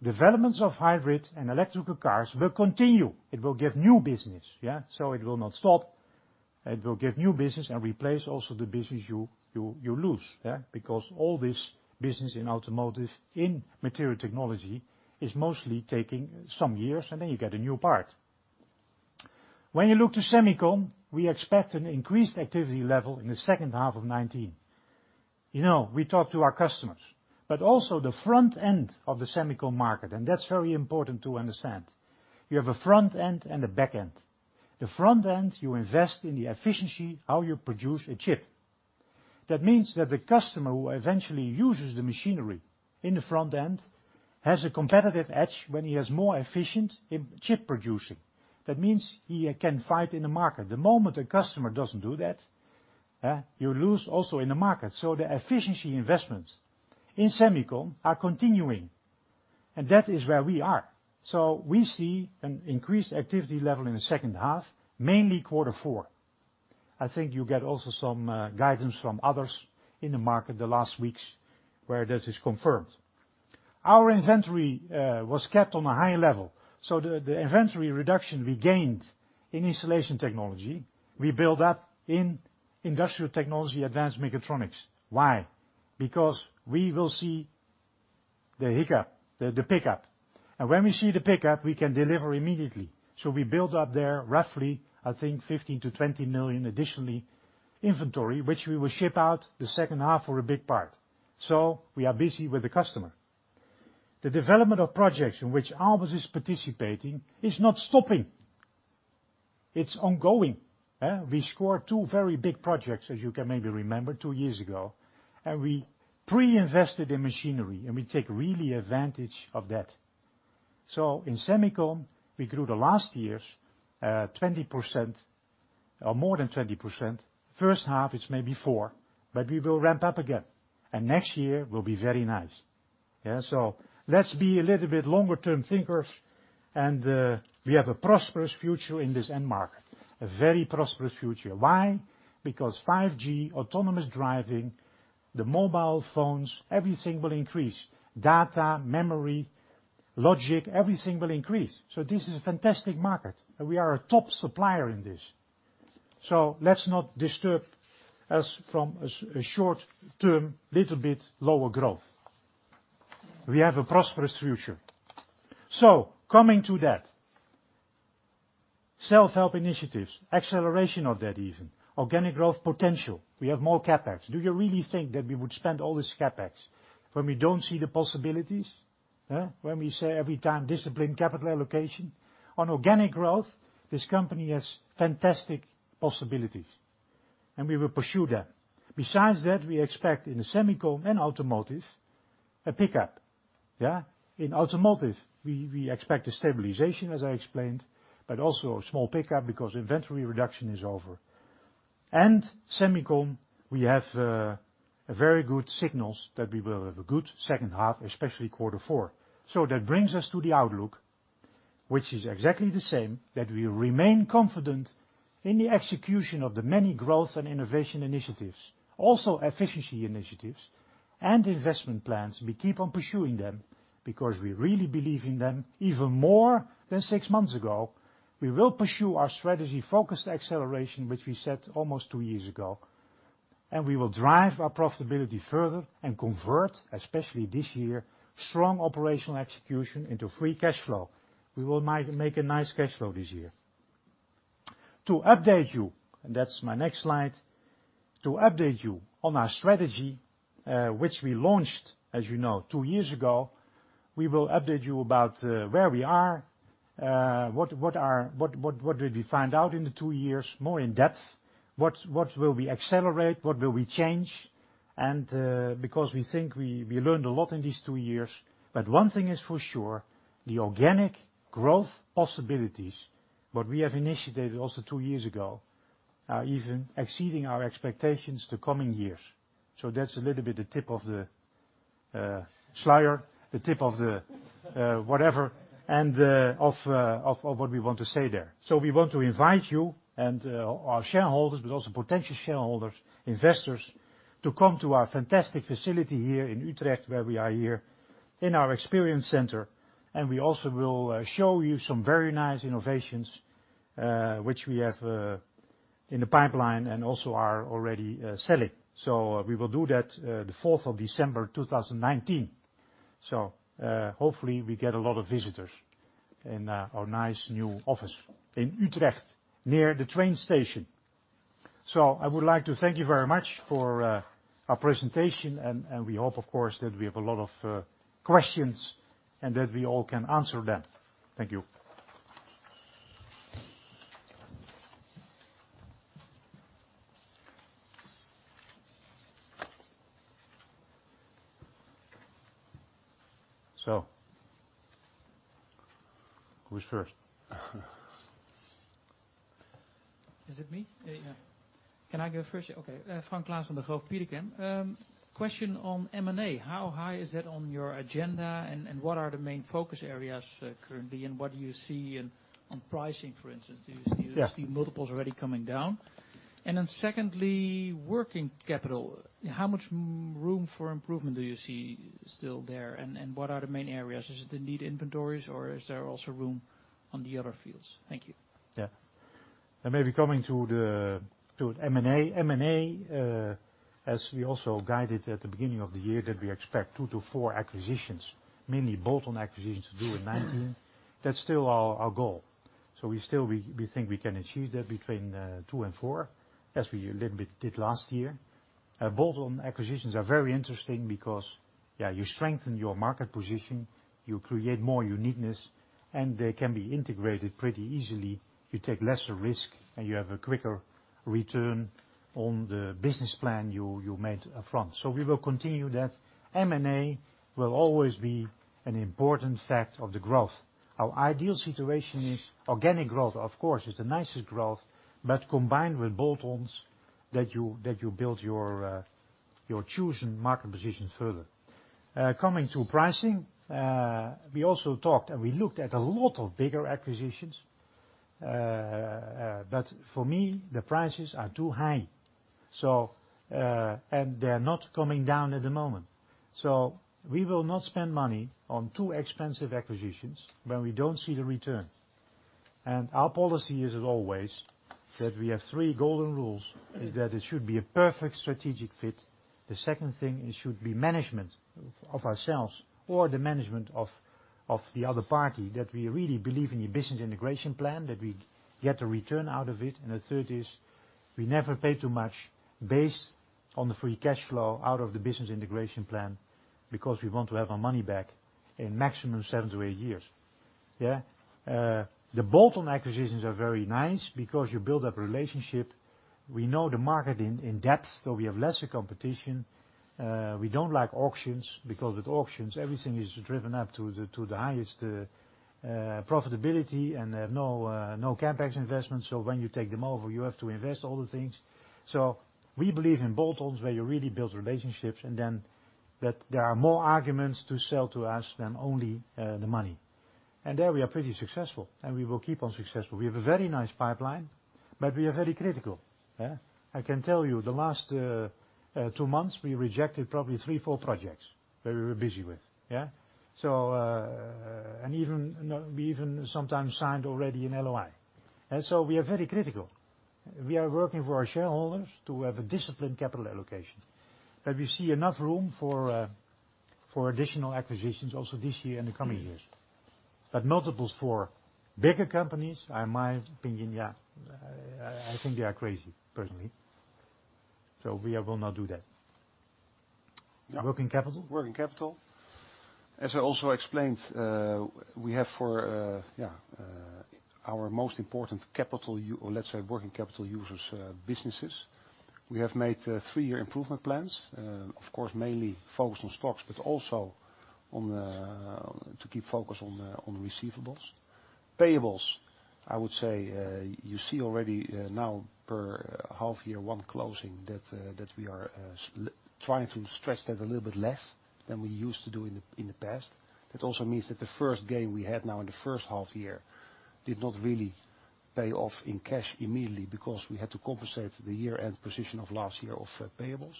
Developments of hybrid and electrical cars will continue. It will give new business. It will not stop. It will give new business and replace also the business you lose. All this business in automotive, in Material Technology, is mostly taking some years, and then you get a new part. When you look to semicon, we expect an increased activity level in the second half of 2019. We talk to our customers, but also the front end of the semicon market, and that's very important to understand. You have a front end and a back end. The front end, you invest in the efficiency, how you produce a chip. That means that the customer who eventually uses the machinery in the front end has a competitive edge when he is more efficient in chip producing. That means he can fight in the market. The moment a customer doesn't do that, you lose also in the market. The efficiency investments in semicon are continuing, and that is where we are. We see an increased activity level in the second half, mainly quarter four. I think you get also some guidance from others in the market the last weeks where this is confirmed. Our inventory was kept on a high level. The inventory reduction we gained in Installation Technology, we built up in industrial technology advanced mechatronics. Why? Because we will see the pickup. When we see the pickup, we can deliver immediately. We built up there roughly, I think 15 million-20 million additionally inventory, which we will ship out the second half for a big part. We are busy with the customer. The development of projects in which Aalberts is participating is not stopping. It is ongoing. We scored two very big projects, as you can maybe remember, two years ago, and we pre-invested in machinery, and we take really advantage of that. In semicon, we grew the last years 20% or more than 20%. First half, it's maybe four, but we will ramp up again, and next year will be very nice. Let's be a little bit longer-term thinkers, and we have a prosperous future in this end market. A very prosperous future. Why? Because 5G, autonomous driving, the mobile phones, everything will increase. Data, memory, logic, everything will increase. This is a fantastic market, and we are a top supplier in this. Let's not disturb us from a short-term, little bit lower growth. We have a prosperous future. Coming to that. Self-help initiatives, acceleration of that even. Organic growth potential. We have more CapEx. Do you really think that we would spend all this CapEx when we don't see the possibilities? When we say every time discipline capital allocation. On organic growth, this company has fantastic possibilities, and we will pursue that. Besides that, we expect in the semicon and automotive a pickup. In automotive, we expect a stabilization, as I explained, but also a small pickup because inventory reduction is over. Semicon, we have very good signals that we will have a good second half, especially quarter four. That brings us to the outlook, which is exactly the same, that we remain confident in the execution of the many growth and innovation initiatives, also efficiency initiatives and investment plans. We keep on pursuing them because we really believe in them even more than six months ago. We will pursue our strategy-focused acceleration, which we set almost two years ago, and we will drive our profitability further and convert, especially this year, strong operational execution into free cash flow. We will make a nice cash flow this year. To update you, and that's my next slide. To update you on our strategy, which we launched as you know two years ago. We will update you about where we are, what did we find out in the two years more in depth, what will we accelerate, what will we change? Because we think we learned a lot in these two years. One thing is for sure, the organic growth possibilities, what we have initiated also two years ago, are even exceeding our expectations the coming years. That's a little bit the tip of the slider, the tip of the whatever, and of what we want to say there. We want to invite you and our shareholders, but also potential shareholders, investors, to come to our fantastic facility here in Utrecht, where we are here in our experience center. We also will show you some very nice innovations, which we have in the pipeline and also are already selling. We will do that the 4th of December, 2019. Hopefully we get a lot of visitors in our nice new office in Utrecht near the train station. I would like to thank you very much for our presentation, and we hope, of course, that we have a lot of questions and that we all can answer them. Thank you. Who's first? Is it me? Yeah. Can I go first? Okay. Frank Claassen from Degroof Petercam again. Question on M&A, how high is that on your agenda, and what are the main focus areas currently, and what do you see on pricing, for instance? Yeah multiples already coming down? Secondly, working capital. How much room for improvement do you see still there, and what are the main areas? Is it indeed inventories or is there also room on the other fields? Thank you. Maybe coming to the M&A. M&A, as we also guided at the beginning of the year, that we expect two to four acquisitions, mainly bolt-on acquisitions to do in 2019. That's still our goal. We still think we can achieve that between two and four as we a little bit did last year. Bolt-on acquisitions are very interesting because you strengthen your market position, you create more uniqueness, and they can be integrated pretty easily. You take lesser risk, and you have a quicker return on the business plan you made up front. We will continue that. M&A will always be an important fact of the growth. Our ideal situation is organic growth, of course, it's the nicest growth, but combined with bolt-ons that you build your chosen market position further. Coming to pricing, we also talked, and we looked at a lot of bigger acquisitions. For me, the prices are too high. They're not coming down at the moment. We will not spend money on too expensive acquisitions when we don't see the return. Our policy is always that we have three golden rules, is that it should be a perfect strategic fit. The second thing, it should be management of ourselves or the management of the other party, that we really believe in the business integration plan, that we get a return out of it. The third is, we never pay too much based on the free cash flow out of the business integration plan because we want to have our money back in maximum seven to eight years. Yeah. The bolt-on acquisitions are very nice because you build up relationship. We know the market in depth, so we have lesser competition. We don't like auctions because with auctions, everything is driven up to the highest profitability, and they have no CapEx investments, so when you take them over, you have to invest all the things. We believe in bolt-ons where you really build relationships, and then that there are more arguments to sell to us than only the money. There we are pretty successful, and we will keep on successful. We have a very nice pipeline, but we are very critical. Yeah. I can tell you the last two months, we rejected probably three, four projects that we were busy with. Yeah. We even sometimes signed already an LOI. We are very critical. We are working for our shareholders to have a disciplined capital allocation. We see enough room for additional acquisitions also this year and the coming years. Multiples for bigger companies, in my opinion, yeah, I think they are crazy, personally. We will not do that. Yeah. Working capital. Working capital. As I also explained, we have for our most important capital or let's say working capital users businesses, we have made three-year improvement plans. Of course, mainly focused on stocks but also to keep focus on receivables. Payables, I would say, you see already now per half year, one closing that we are trying to stretch that a little bit less than we used to do in the past. That also means that the first gain we had now in the first half year did not really pay off in cash immediately because we had to compensate the year-end position of last year of payables.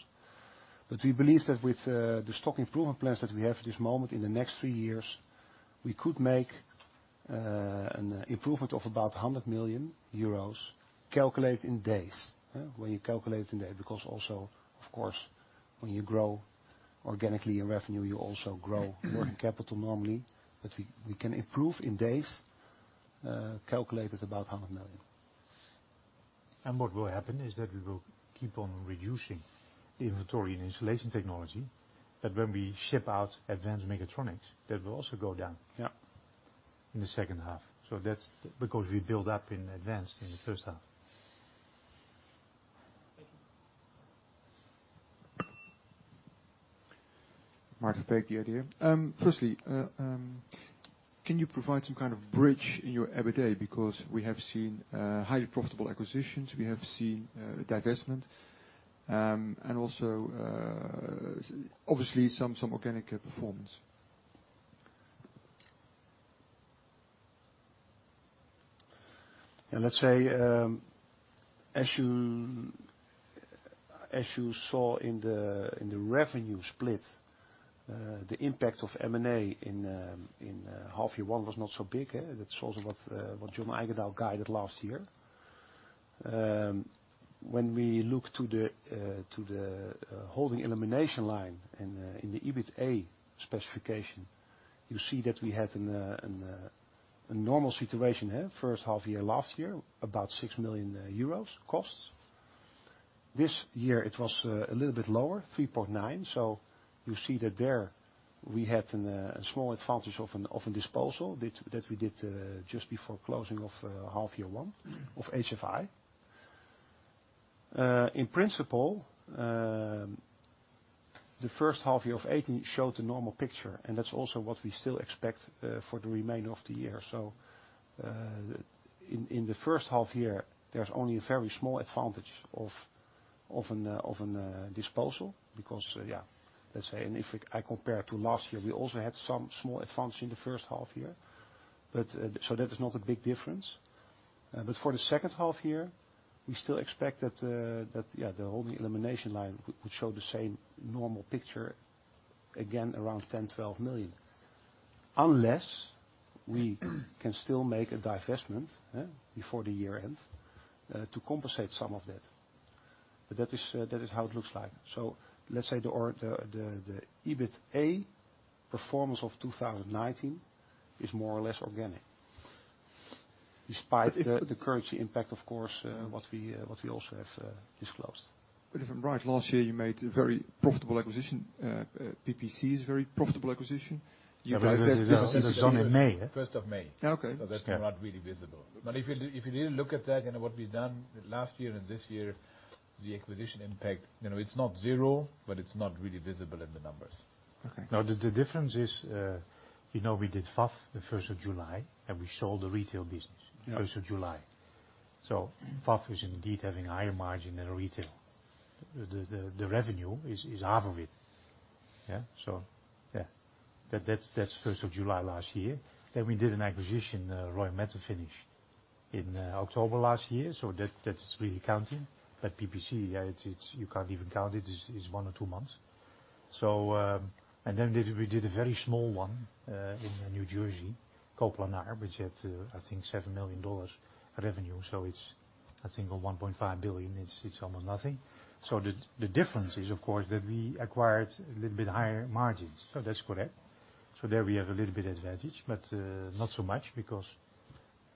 We believe that with the stock improvement plans that we have at this moment in the next three years, we could make an improvement of about 100 million euros calculated in days. When you calculate in days also of course when you grow organically in revenue you also grow working capital normally. We can improve in days, calculated about 100 million. What will happen is that we will keep on reducing inventory and Installation Technology, that when we ship out advanced mechatronics, that will also go down. Yeah That's because we build up in advance in the first half. Thank you. Martijn Den Drijver. Firstly, can you provide some kind of bridge in your EBITDA because we have seen highly profitable acquisitions, we have seen divestment, and also, obviously some organic performance? Yeah, let's say, as you saw in the revenue split, the impact of M&A in half year one was not so big. That's also what John Eijgendaal guided last year. When we look to the holding elimination line in the EBITA specification, you see that we had a normal situation. First half year last year, about 6 million euros costs. This year it was a little bit lower, 3.9%, so you see that there we had a small advantage of a disposal that we did just before closing of half year one of HFI. In principle, the first half year of 2018 showed the normal picture, that is also what we still expect for the remainder of the year. In the first half year, there is only a very small advantage of an disposal because, let's say, if I compare to last year, we also had some small advantage in the first half year, that is not a big difference. For the second half year, we still expect that the whole elimination line would show the same normal picture, again, around 10 million-12 million. Unless we can still make a divestment before the year ends to compensate some of that. That is how it looks like. Let's say the EBITA performance of 2019 is more or less organic despite the currency impact, of course, what we also have disclosed. If I'm right, last year you made a very profitable acquisition. PPC is a very profitable acquisition. That was done in May. 1st of May. Okay. That's not really visible. If you really look at that and what we've done last year and this year, the acquisition impact, it's not zero, but it's not really visible in the numbers. Okay. Now the difference is, we did Pfaff the first of July, and we sold the retail business. Yeah 1st of July. Pfaff is indeed having higher margin than retail. The revenue is half of it. Yeah. That's 1st of July last year. We did an acquisition, Roy Metal Finishing, in October last year, so that's really counting. PPC, you can't even count it. It's one or two months. We did a very small one in New Jersey, Co-Planar, which had, I think EUR 7 million revenue. It's, I think, on 1.5 billion, it's almost nothing. The difference is, of course, that we acquired a little bit higher margins. That's correct. There we have a little bit advantage, but not so much because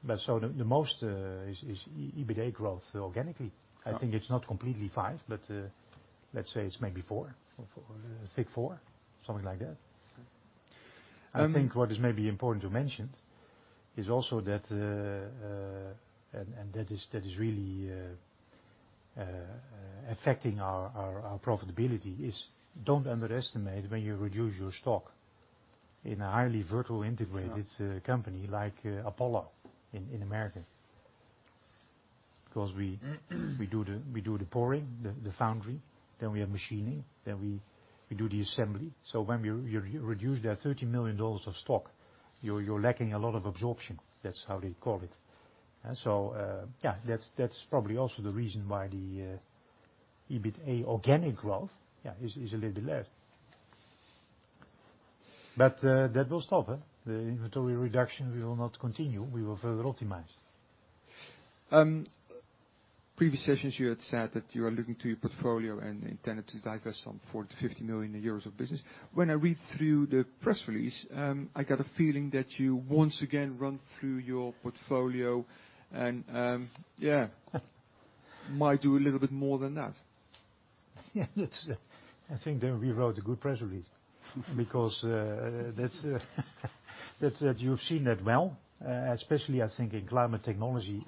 the most is EBITDA growth organically. I think it's not completely five, but let's say it's maybe four, thick four, something like that. I think what is maybe important to mention is also that, and that is really affecting our profitability is, don't underestimate when you reduce your stock in a highly vertical integrated company like Apollo in America. Because we do the pouring, the foundry, then we have machining, then we do the assembly. When you reduce that EUR 30 million of stock, you're lacking a lot of absorption. That's how they call it. Yeah, that's probably also the reason why the EBITDA organic growth is a little less. That will stop. The inventory reduction will not continue. We will further optimize. Previous sessions, you had said that you are looking to your portfolio and intended to divest some 40 million-50 million euros of business. When I read through the press release, I got a feeling that you once again run through your portfolio and, yeah, might do a little bit more than that. I think we wrote a good press release, because you've seen that well, especially I think in Climate Technology.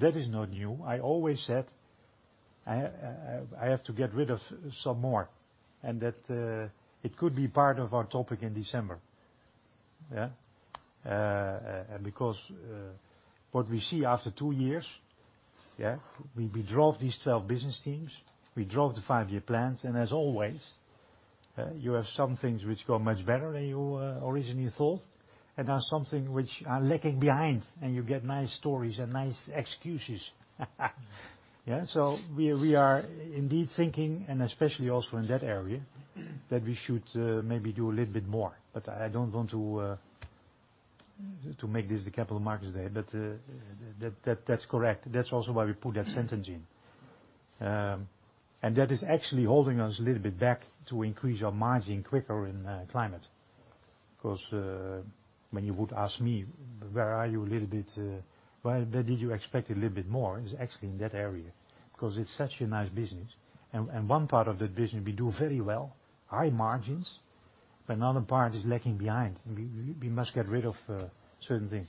That is not new. I always said I have to get rid of some more, and that it could be part of our topic in December. What we see after two years, we drove these 12 business teams, we drove the five-year plans, and as always, you have some things which go much better than you originally thought, and there are some things which are lacking behind, and you get nice stories and nice excuses. We are indeed thinking, and especially also in that area, that we should maybe do a little bit more. I don't want to make this the Capital Markets Day. That's correct. That's also why we put that sentence in. That is actually holding us a little bit back to increase our margin quicker in Climate Technology. When you would ask me, where did you expect a little bit more? It's actually in that area, because it's such a nice business. One part of that business we do very well, high margins, but another part is lacking behind. We must get rid of certain things.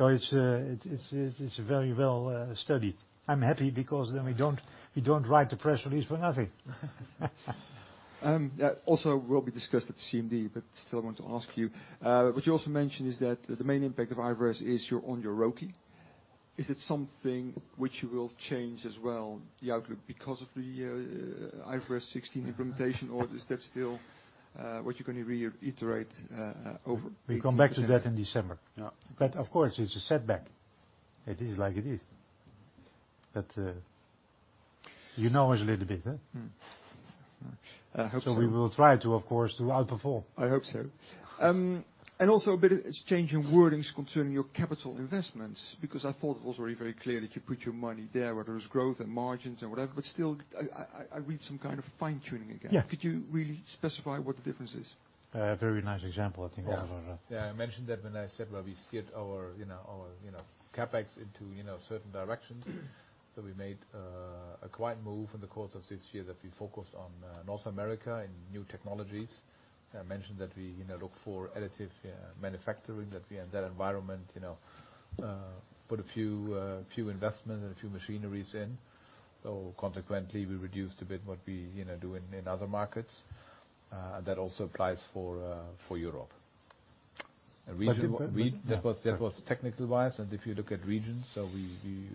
It's very well studied. I'm happy because then we don't write the press release for nothing. Also will be discussed at CMD, still want to ask you. What you also mentioned is that the main impact of IFRS is on your ROCE. Is it something which you will change as well, the outlook, because of the IFRS 16 implementation, or is that still what you're going to reiterate over? We come back to that in December. Yeah. Of course, it's a setback. It is like it is. You know us a little bit, huh? I hope so. We will try to, of course, to outperform. I hope so. Also a bit of change in wordings concerning your capital investments, because I thought it was already very clear that you put your money there where there's growth and margins and whatever, but still, I read some kind of fine-tuning again. Yeah. Could you really specify what the difference is? A very nice example, I think also. I mentioned that when I said, well, we skid our CapEx into certain directions that we made a quiet move in the course of this year that we focused on North America and new technologies. I mentioned that we look for additive manufacturing, that we, in that environment put a few investments and a few machineries in. Consequently, we reduced a bit what we do in other markets. That also applies for Europe. Different? That was technical-wise, if you look at regions, we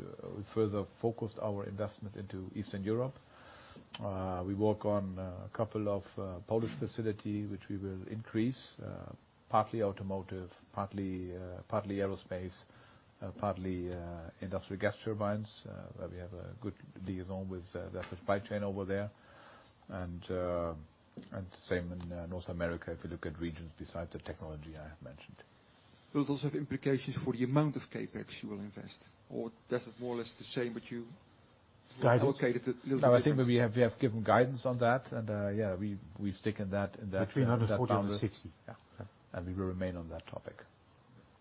further focused our investment into Eastern Europe. We work on a couple of Polish facilities, which we will increase, partly automotive, partly aerospace, partly industrial gas turbines, where we have a good liaison with the supply chain over there. Same in North America, if you look at regions besides the technology I have mentioned. Will it also have implications for the amount of CapEx you will invest, or that's more or less the same? Guidance Allocate it a little different. No, I think we have given guidance on that. Yeah, we stick in that number. Between EUR 40 million and EUR 60 million. Yeah. Yeah. We will remain on that topic.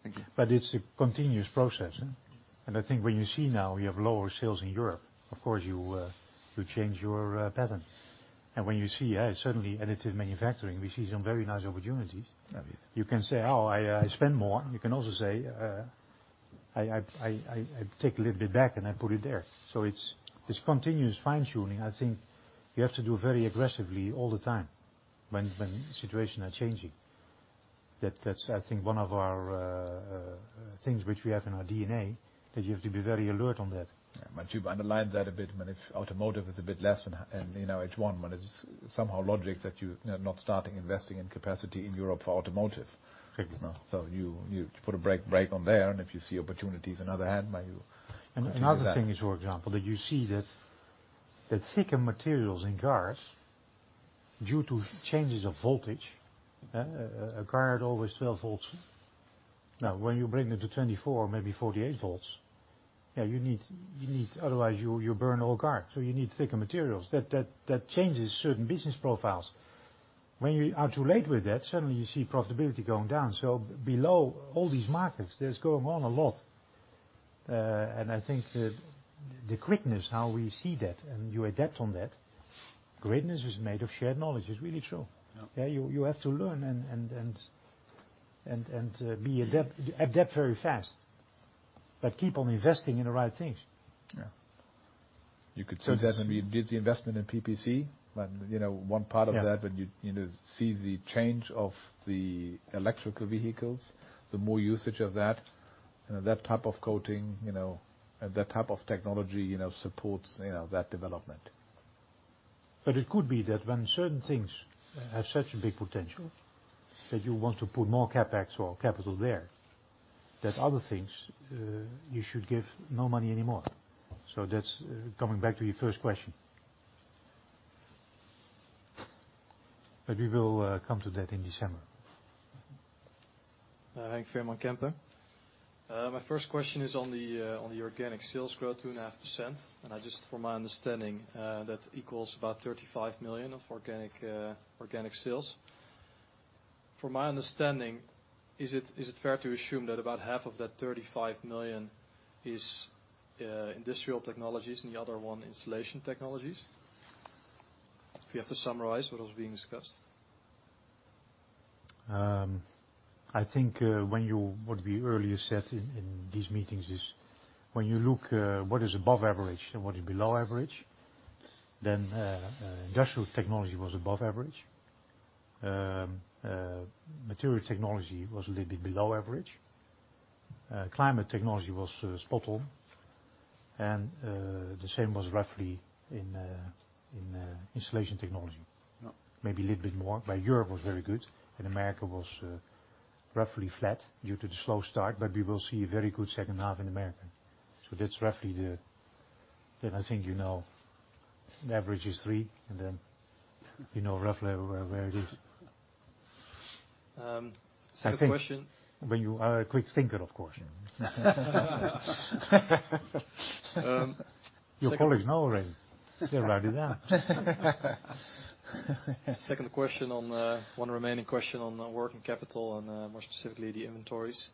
Thank you. It's a continuous process, huh? I think when you see now we have lower sales in Europe, of course, you change your pattern. When you see, suddenly additive manufacturing, we see some very nice opportunities. Lovely. You can say, "Oh, I spend more." You can also say, "I take a little bit back, and I put it there." It's continuous fine-tuning. I think you have to do very aggressively all the time when situations are changing. That's, I think one of our things which we have in our DNA, that you have to be very alert on that. You've underlined that a bit, when automotive is a bit less in H1. It is somehow logic that you are not starting investing in capacity in Europe for automotive. Exactly. You put a brake on there, and if you see opportunities in other hand, might you continue that? Another thing is, for example, that you see that thicker materials in cars, due to changes of voltage, a car at always 12 V. Now, when you bring it to 24 V, maybe 48 V, otherwise you burn the whole car. You need thicker materials. That changes certain business profiles. When you are too late with that, suddenly you see profitability going down. Below all these markets, there's going on a lot. I think the quickness how we see that, and you adapt on that. Greatness is made of shared knowledge, it's really true. Yeah. You have to learn and adapt very fast, but keep on investing in the right things. Yeah. You could certainly did the investment in PPC, one part of that. Yeah when you see the change of the electrical vehicles, the more usage of that type of coating, and that type of technology supports that development. It could be that when certain things have such a big potential, that you want to put more CapEx or capital there. That other things, you should give no money anymore. That's coming back to your first question. We will come to that in December. Henk Veerman, Kempen. My first question is on the organic sales growth, 2.5%. Just for my understanding, that equals about 35 million of organic sales. From my understanding, is it fair to assume that about half of that 35 million is industrial technologies and the other one Installation Technology? If you have to summarize what was being discussed. I think what we earlier said in these meetings is, when you look what is above average and what is below average, then industrial technology was above average. Material Technology was a little bit below average. Climate Technology was spot on, and the same was roughly in Installation Technology. Yeah. Maybe a little bit more, but Europe was very good, and America was roughly flat due to the slow start, but we will see a very good second half in America. That's roughly the Then I think you know the average is three, and then you know roughly where it is. Second question. When you are a quick thinker, of course. Second- Your colleagues know already. They write it down. Second question, one remaining question on working capital and more specifically the inventories.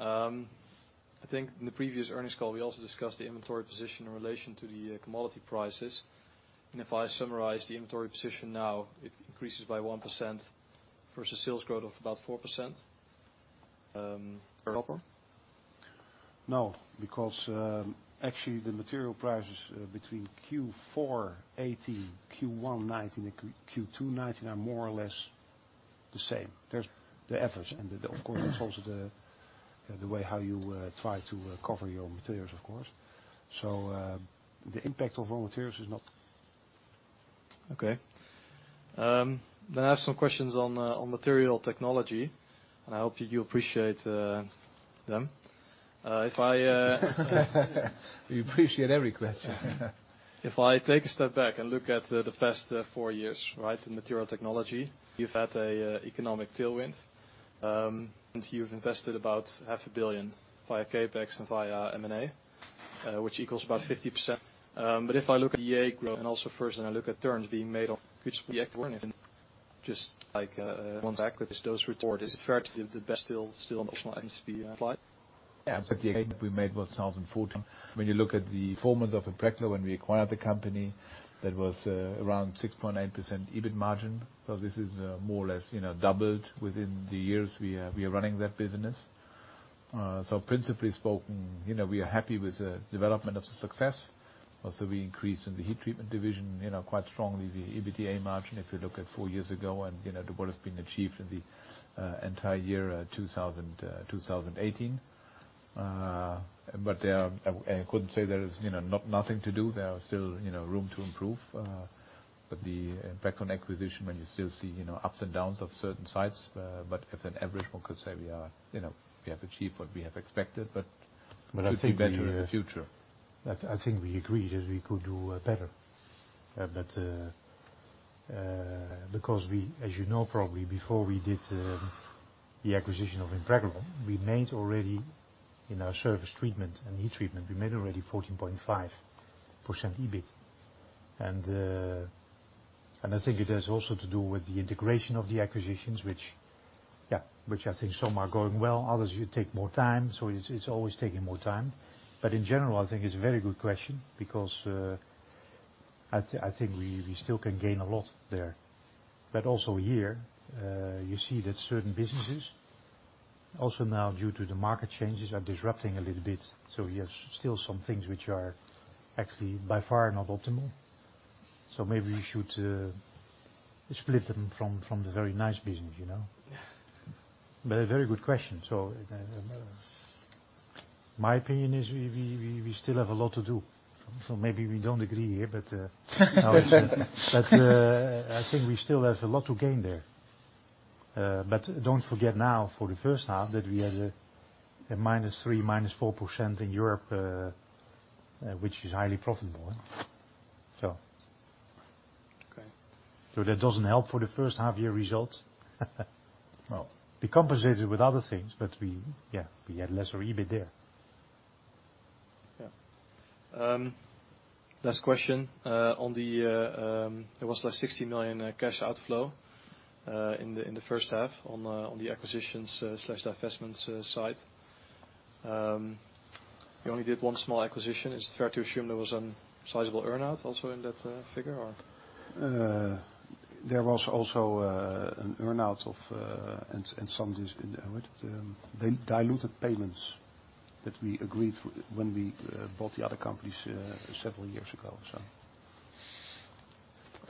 I think in the previous earnings call, we also discussed the inventory position in relation to the commodity prices. If I summarize the inventory position now, it increases by 1% versus sales growth of about 4%. Is that proper? No, because actually the material prices between Q4 2018, Q1 2019, and Q2 2019 are more or less the same. There's the efforts and of course, that's also the way how you try to cover your materials, of course. The impact of raw materials is not. Okay. I have some questions on Material Technology, and I hope you appreciate them. We appreciate every question. If I take a step back and look at the past four years, right? The Material Technology, you've had a economic tailwind, and you've invested about half a billion via CapEx and via M&A, which equals about 50%. If I look at EBITA growth and also first, and I look at turns being made on. Just like those reports, is it fair to give the best deal still on the line should be applied? The aim that we made was 2014. When you look at the performance of Impreglon when we acquired the company, that was around 6.8% EBIT margin. This is more or less doubled within the years we are running that business. Principally spoken, we are happy with the development of success. Also we increased in the heat treatment division, quite strongly, the EBITDA margin, if you look at four years ago and what has been achieved in the entire year 2018. I couldn't say there is nothing to do. There are still room to improve. The Impreglon acquisition, when you still see ups and downs of certain sites. If an average one could say we have achieved what we have expected, but could be better in the future. I think we agreed that we could do better. Because as you know probably before we did the acquisition of Impreglon, we made already in our surface treatment and heat treatment, we made already 14.5% EBIT. I think it has also to do with the integration of the acquisitions which I think some are going well, others you take more time. It's always taking more time. In general, I think it's a very good question because I think we still can gain a lot there. Also here, you see that certain businesses also now due to the market changes are disrupting a little bit. We have still some things which are actually by far not optimal. Maybe we should split them from the very nice business. A very good question. My opinion is we still have a lot to do. Maybe we don't agree here, but I think we still have a lot to gain there. Don't forget now for the first half that we had a -3%, -4% in Europe, which is highly profitable. Okay. That doesn't help for the first half year results. Well. Be compensated with other things, but we had lesser EBIT there. Yeah. Last question. There was like 60 million cash outflow, in the first half on the acquisitions/divestments side. You only did one small acquisition. Is it fair to assume there was some sizable earn-out also in that figure? There was also an earn-out and some diluted payments that we agreed when we bought the other companies several years ago.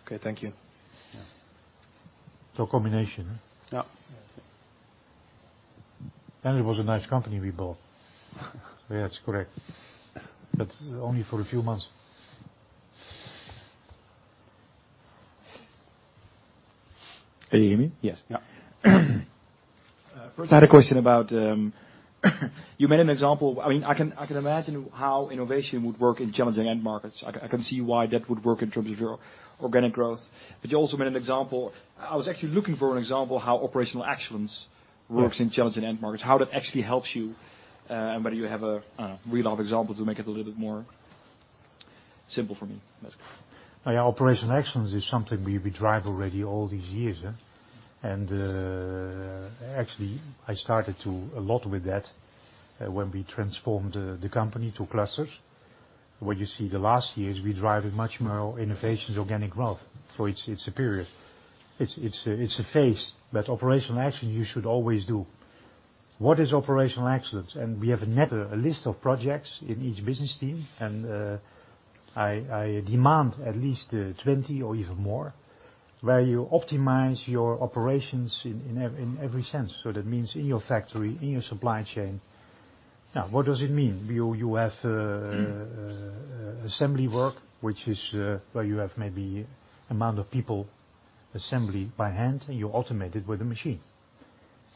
Okay. Thank you. Yeah. Combination. Yeah. It was a nice company we bought. Yeah, it's correct, but only for a few months. Can you hear me? Yes. Yeah. First I had a question about you made an example. I can imagine how innovation would work in challenging end markets. I can see why that would work in terms of your organic growth. You also made an example. I was actually looking for an example how operational excellence works in challenging end markets, how that actually helps you, and whether you have a real-life example to make it a little bit more simple for me. Operational excellence is something we drive already all these years. Actually, I started to a lot with that when we transformed the company to clusters. What you see the last years, we drive it much more innovation is organic growth. It's a period. It's a phase. Operational excellence you should always do. What is operational excellence? We have a list of projects in each business team, and I demand at least 20 or even more, where you optimize your operations in every sense. That means in your factory, in your supply chain. What does it mean? You have assembly work, which is where you have maybe amount of people assembly by hand, and you automate it with a machine.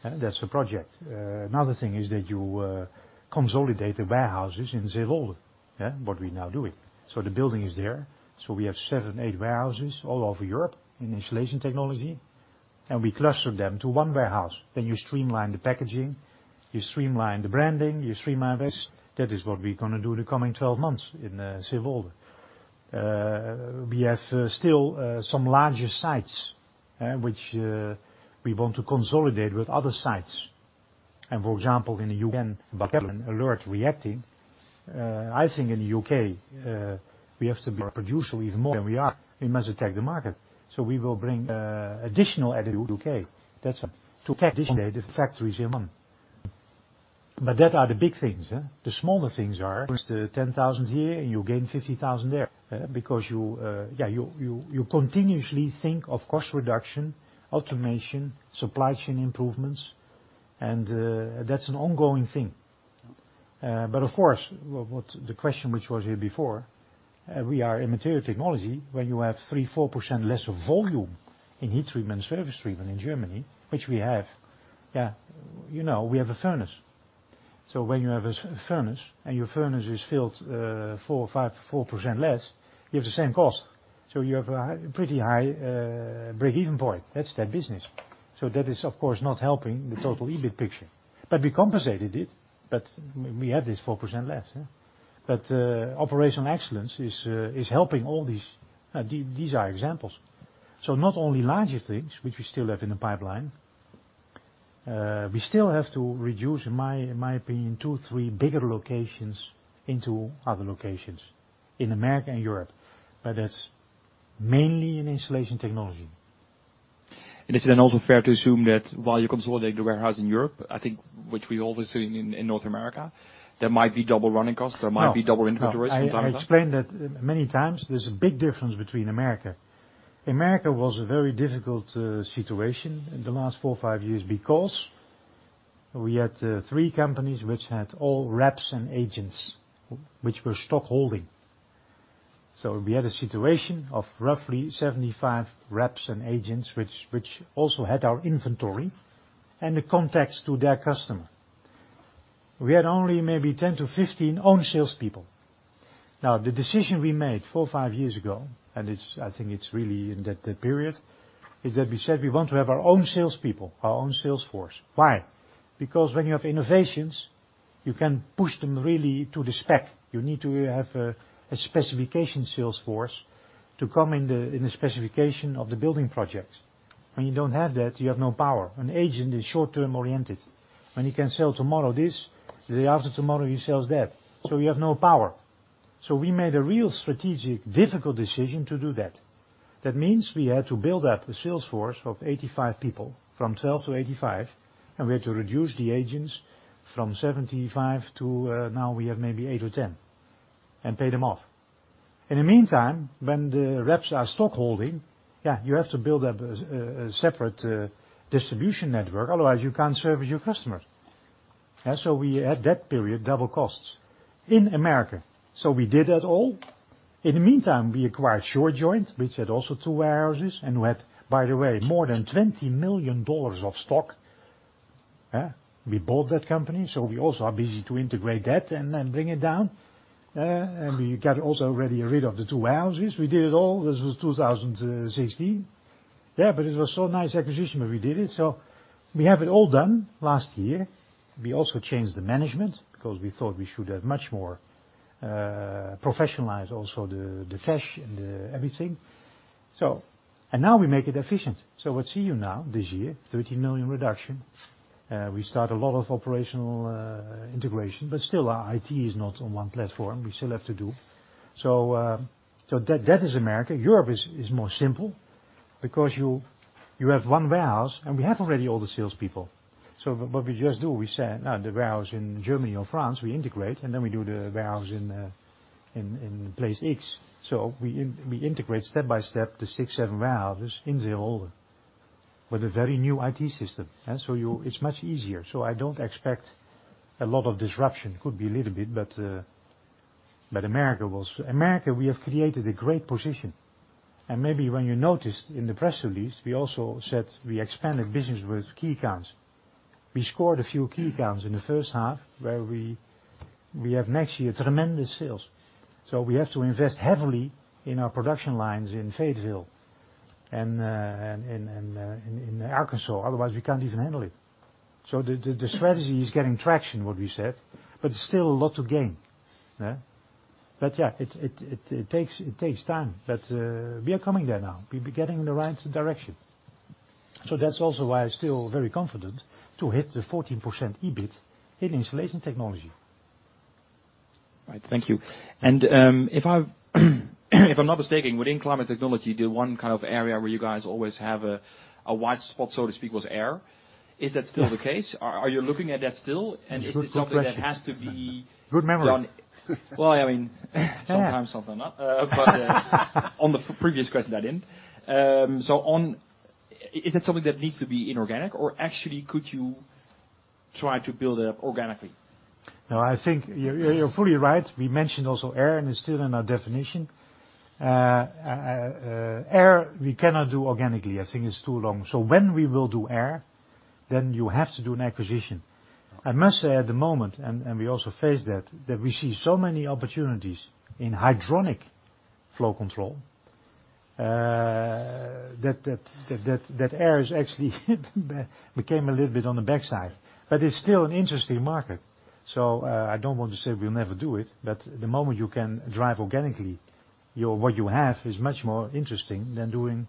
That's a project. Another thing is that you consolidate the warehouses in Zeewolde, what we're now doing. The building is there. We have seven, eight warehouses all over Europe in insulation technology, and we cluster them to one warehouse. You streamline the packaging, you streamline the branding, you streamline this. That is what we're going to do in the coming 12 months in Zeewolde. We have still some larger sites, which we want to consolidate with other sites. For example, in the U.K., alert reacting. I think in the U.K., we have to be producer even more than we are. We must attack the market. We will bring additional U.K. That's to attack this, the factories in one. That are the big things. The smaller things are lose the 10,000 here and you gain 50,000 there. You continuously think of cost reduction, automation, supply chain improvements, and that's an ongoing thing. Of course, what the question which was here before, we are in Material Technology. When you have 3%-4% less volume in heat treatment and surface treatment in Germany, which we have. We have a furnace. When you have a furnace and your furnace is filled 4% or 5% less, you have the same cost. You have a pretty high break-even point. That's that business. That is of course not helping the total EBIT picture. We compensated it. We had this 4% less. Operational excellence is helping all these These are examples. Not only larger things, which we still have in the pipeline. We still have to reduce, in my opinion, two, three bigger locations into other locations in America and Europe. That's mainly in Installation Technology. Is it then also fair to assume that while you're consolidating the warehouse in Europe, I think, which we always see in North America, there might be double running costs, there might be double inventories from time to time? I explained that many times. There's a big difference between America. America was a very difficult situation in the last four, five years because we had three companies which had all reps and agents, which were stock holding. We had a situation of roughly 75 reps and agents, which also had our inventory and the contacts to their customer. We had only maybe 10 to 15 own salespeople. The decision we made four, five years ago, and I think it's really in that period, is that we said we want to have our own salespeople, our own sales force. Why? When you have innovations, you can push them really to the spec. You need to have a specification sales force to come in the specification of the building project. When you don't have that, you have no power. An agent is short-term oriented. When he can sell tomorrow this, the day after tomorrow he sells that. You have no power. We made a real strategic, difficult decision to do that. That means we had to build up a sales force of 85 people, from 12 to 85, and we had to reduce the agents from 75 to now we have maybe eight or 10, and pay them off. In the meantime, when the reps are stock holding, you have to build up a separate distribution network, otherwise you can't service your customers. We had, that period, double costs in America. We did that all. In the meantime, we acquired Shurjoint, which had also two warehouses, and who had, by the way, more than $20 million of stock. We bought that company, so we also are busy to integrate that and bring it down. We got also already rid of the two warehouses. We did it all. This was 2016. It was so nice acquisition when we did it. We have it all done last year. We also changed the management because we thought we should have much more professionalized also the cash and everything. Now we make it efficient. What see you now, this year, 30 million reduction. We start a lot of operational integration, still our IT is not on one platform. We still have to do. That is America. Europe is more simple because you have one warehouse, and we have already all the salespeople. What we just do, we say, now the warehouse in Germany or France, we integrate, and then we do the warehouse in place X. We integrate step by step the six, seven warehouses in Zeewolde with a very new IT system. It's much easier. I don't expect a lot of disruption. Could be a little bit, but America, we have created a great position. Maybe when you noticed in the press release, we also said we expanded business with key accounts. We scored a few key accounts in the first half where we have next year tremendous sales. We have to invest heavily in our production lines in Fayetteville and in Arkansas, otherwise we can't even handle it. The strategy is getting traction, what we said, but it's still a lot to gain. Yeah, it takes time. We are coming there now. We're getting the right direction. That's also why I'm still very confident to hit the 14% EBIT in Installation Technology. Right. Thank you. If I'm not mistaken, within Climate Technology, the one kind of area where you guys always have a wide spot, so to speak, was air. Is that still the case? Are you looking at that still? Good question. Is this something that has to be. Good memory. Well, I mean, sometimes not. On the previous question that end, is that something that needs to be inorganic, or actually could you try to build up organically? I think you're fully right. We mentioned also air, it's still in our definition. Air, we cannot do organically. I think it's too long. When we will do air, you have to do an acquisition. I must say at the moment, we also face that we see so many opportunities in hydronic flow control, that air is actually became a little bit on the backside. It's still an interesting market. I don't want to say we'll never do it, the moment you can drive organically, what you have is much more interesting than doing,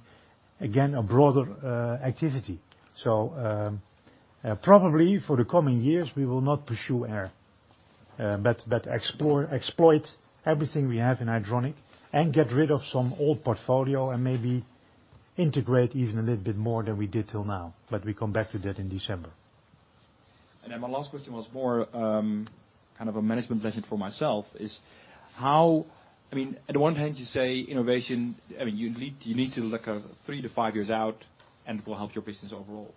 again, a broader activity. Probably for the coming years, we will not pursue air, exploit everything we have in hydronic and get rid of some old portfolio and maybe integrate even a little bit more than we did till now. We come back to that in December. My last question was more, kind of a management lesson for myself is, at one hand you say innovation, you need to look three to five years out, and it will help your business overall.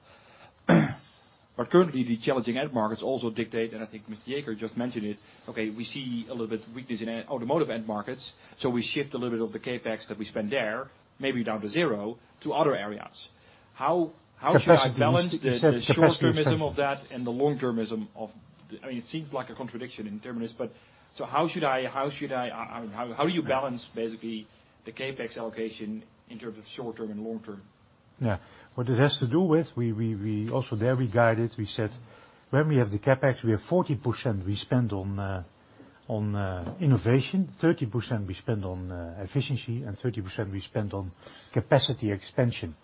Currently, the challenging end markets also dictate, and I think Mr. Jäger just mentioned it, okay, we see a little bit weakness in automotive end markets, so we shift a little bit of the CapEx that we spend there, maybe down to zero, to other areas. How should I balance the short-termism of that and the long-termism? It seems like a contradiction in terms. How do you balance basically the CapEx allocation in terms of short-term and long-term? Yeah. What it has to do with, also there we guided, we said when we have the CapEx, we have 40% we spend on innovation, 30% we spend on efficiency, and 30% we spend on capacity expansion.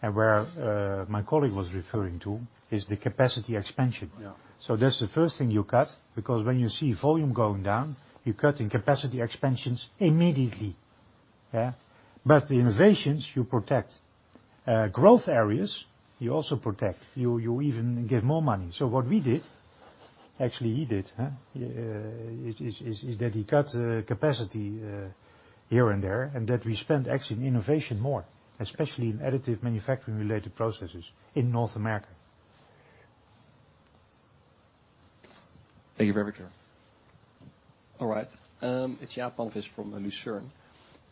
Where my colleague was referring to is the capacity expansion. Yeah. That's the first thing you cut, because when you see volume going down, you're cutting capacity expansions immediately. The innovations you protect. Growth areas, you also protect. You even give more money. What we did, actually, he did, is that he cut capacity here and there, and that we spent actually in innovation more, especially in additive manufacturing related processes in North America. Thank you very clear. All right. It's Thijs Hovers from Lucerne.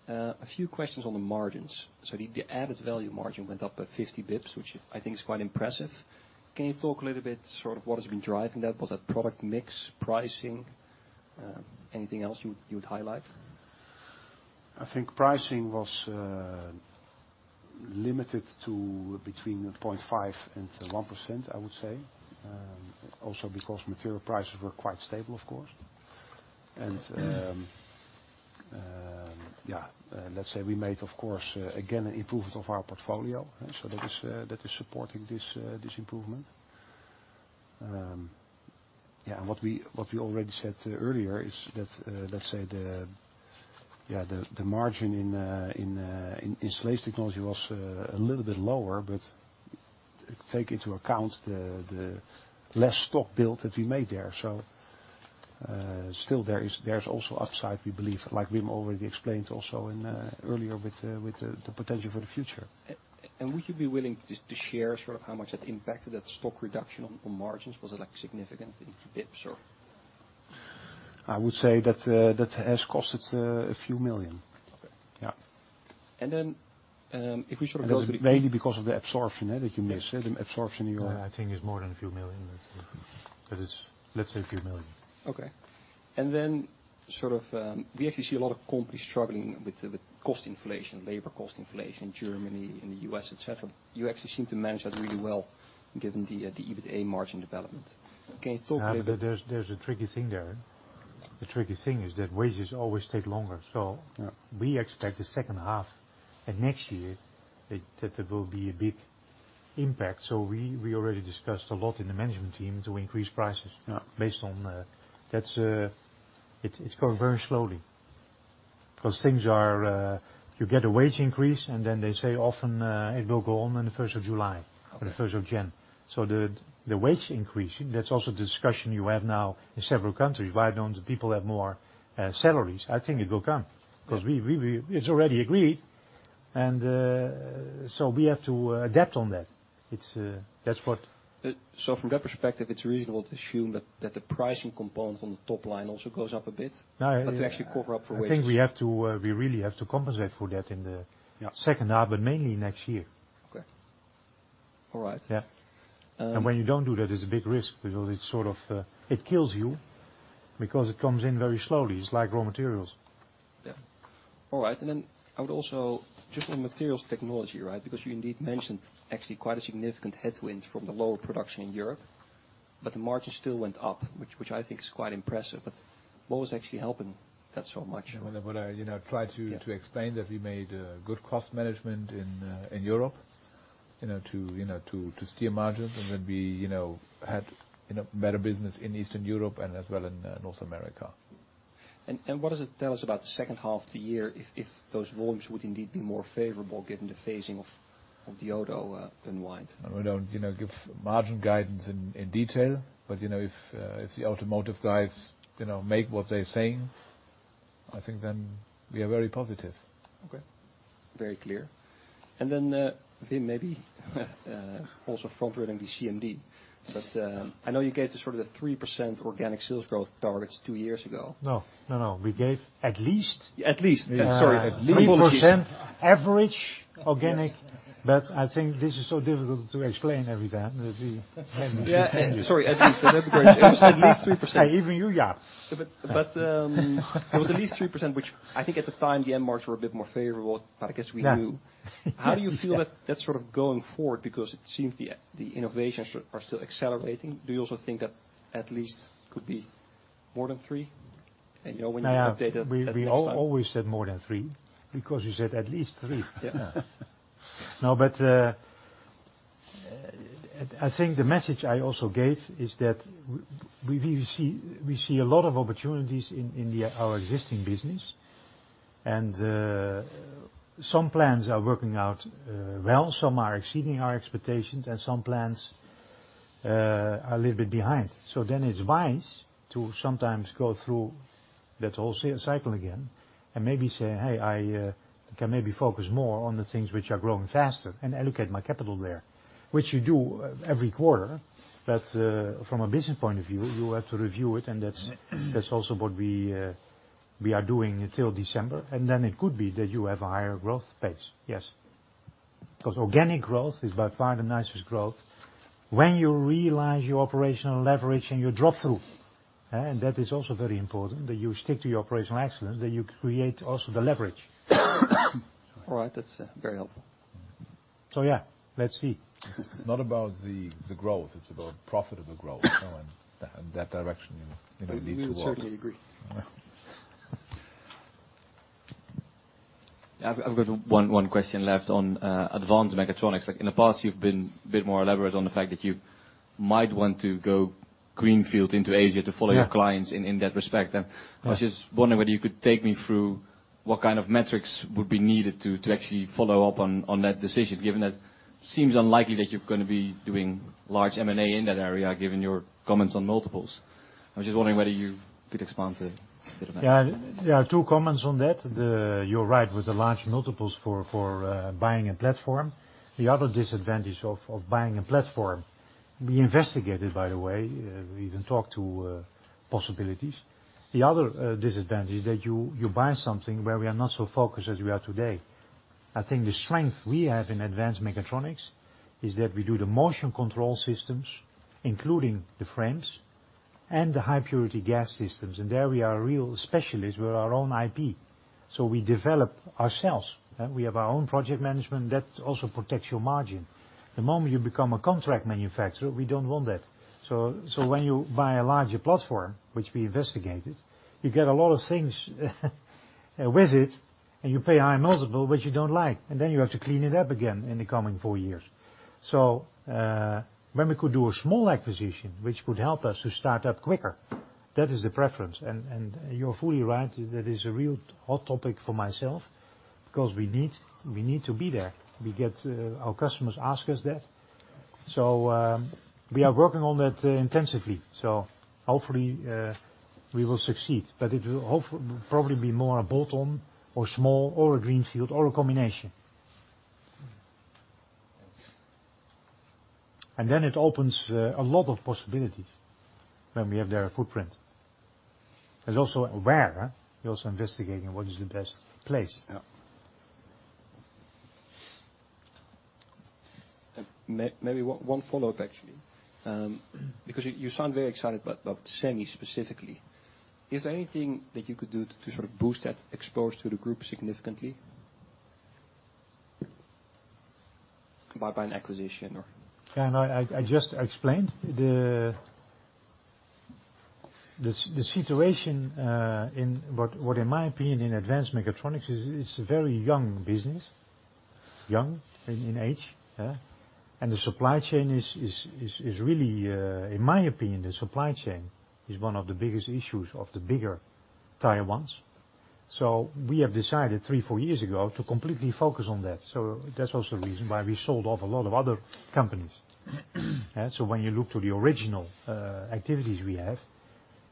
A few questions on the margins. The added value margin went up by 50 basis points, which I think is quite impressive. Can you talk a little bit sort of what has been driving that? Was that product mix pricing? Anything else you'd highlight? I think pricing was limited to between 0.5 and 1%, I would say. Because material prices were quite stable, of course. Let's say we made, of course, again, an improvement of our portfolio. That is supporting this improvement. What we already said earlier is that, let's say the margin in Installation Technology was a little bit lower, but take into account the less stock build that we made there. Still there's also upside, we believe, like Wim already explained also earlier with the potential for the future. Would you be willing to share sort of how much that impacted that stock reduction on margins? Was it significantly basis points or? I would say that has cost us a few million. Okay. Yeah. If we sort of That's mainly because of the absorption that you miss. Yeah. The absorption in your. I think it's more than a few million. That is, let's say a few million. Okay. Sort of, we actually see a lot of companies struggling with cost inflation, labor cost inflation, Germany and the U.S., et cetera. You actually seem to manage that really well given the EBITDA margin development. Can you talk a little bit? There's a tricky thing there. The tricky thing is that wages always take longer. Yeah. We expect the second half and next year that there will be a big impact. We already discussed a lot in the management team to increase prices. Yeah. Based on that, it's going very slowly because things are, you get a wage increase and then they say often, it will go on on the first of July or the first of January. Okay. The wage increase, that's also discussion you have now in several countries. Why don't the people have more salaries? I think it will come because it's already agreed, and so we have to adapt on that. That's what- From that perspective, it's reasonable to assume that the pricing component on the top line also goes up a bit? No. To actually cover up for wages. I think we really have to compensate for that. Yeah second half, but mainly next year. Okay. All right. Yeah. When you don't do that, it's a big risk because it kills you because it comes in very slowly. It's like raw materials. Yeah. All right. I would also just on Material Technology, right? You indeed mentioned actually quite a significant headwind from the lower production in Europe, but the margins still went up, which I think is quite impressive. What was actually helping that so much? What I try to explain that we made a good cost management in Europe to steer margins, and then we had better business in Eastern Europe and as well in North America. What does it tell us about the second half of the year if those volumes would indeed be more favorable given the phasing of the OTO than wide? We don't give margin guidance in detail, but if the automotive guys make what they're saying, I think then we are very positive. Okay. Very clear. Wim, maybe also frontloading the CMD, but I know you gave the sort of the 3% organic sales growth targets two years ago. No, we gave. Sorry, at least. 3% average organic, I think this is so difficult to explain every time. Yeah. Sorry, at least. It was at least 3%. Even you Thijs Hovers. It was at least 3%, which I think at the time the end markets were a bit more favorable, but I guess we knew. Yeah. How do you feel that's sort of going forward because it seems the innovations are still accelerating? Do you also think that at least could be more than three? When you update it next time. We always said more than three because you said at least three. Yeah. I think the message I also gave is that we see a lot of opportunities in our existing business and some plans are working out well, some are exceeding our expectations, and some plans are a little bit behind. It's wise to sometimes go through that whole cycle again and maybe say, "Hey, I can maybe focus more on the things which are growing faster and allocate my capital there," which you do every quarter. From a business point of view, you have to review it, and that's also what we are doing till December, and then it could be that you have a higher growth pace. Yes. Organic growth is by far the nicest growth. When you realize your operational leverage and your drop-through. That is also very important, that you stick to your operational excellence, that you create also the leverage. All right. That's very helpful. Yeah, let's see. It's not about the growth, it's about profitable growth. That direction, we lead towards. We certainly agree. Yeah. I've got one question left on advanced mechatronics. In the past, you've been a bit more elaborate on the fact that you might want to go greenfield into Asia to follow your clients in that respect. Yeah. I was just wondering whether you could take me through what kind of metrics would be needed to actually follow up on that decision, given that it seems unlikely that you're going to be doing large M&A in that area, given your comments on multiples. I was just wondering whether you could expand a bit on that. Yeah. There are two comments on that. You're right, with the large multiples for buying a platform. The other disadvantage of buying a platform, we investigated by the way, we even talked to possibilities. The other disadvantage is that you buy something where we are not so focused as we are today. I think the strength we have in Advanced Mechatronics is that we do the motion control systems, including the frames and the high-purity gas systems. There we are real specialists. We are our own IP, so we develop ourselves. We have our own project management. That also protects your margin. The moment you become a contract manufacturer, we don't want that. When you buy a larger platform, which we investigated, you get a lot of things with it, and you pay a high multiple, which you don't like, and then you have to clean it up again in the coming four years. When we could do a small acquisition, which would help us to start up quicker, that is the preference. You're fully right, that is a real hot topic for myself because we need to be there. Our customers ask us that. We are working on that intensively. Hopefully we will succeed, but it will probably be more a bolt-on or small or a greenfield or a combination. Then it opens a lot of possibilities when we have their footprint. Also where, you're also investigating what is the best place. Yeah. Maybe one follow-up, actually. You sound very excited about semicon specifically. Is there anything that you could do to sort of boost that exposure to the group significantly by an acquisition or? Yeah, no, I just explained. The situation, what in my opinion in advanced mechatronics is, it's a very young business. Young in age. The supply chain is really, in my opinion, one of the biggest issues of the bigger tier ones. We have decided three, four years ago to completely focus on that. That's also the reason why we sold off a lot of other companies. When you look to the original activities we have,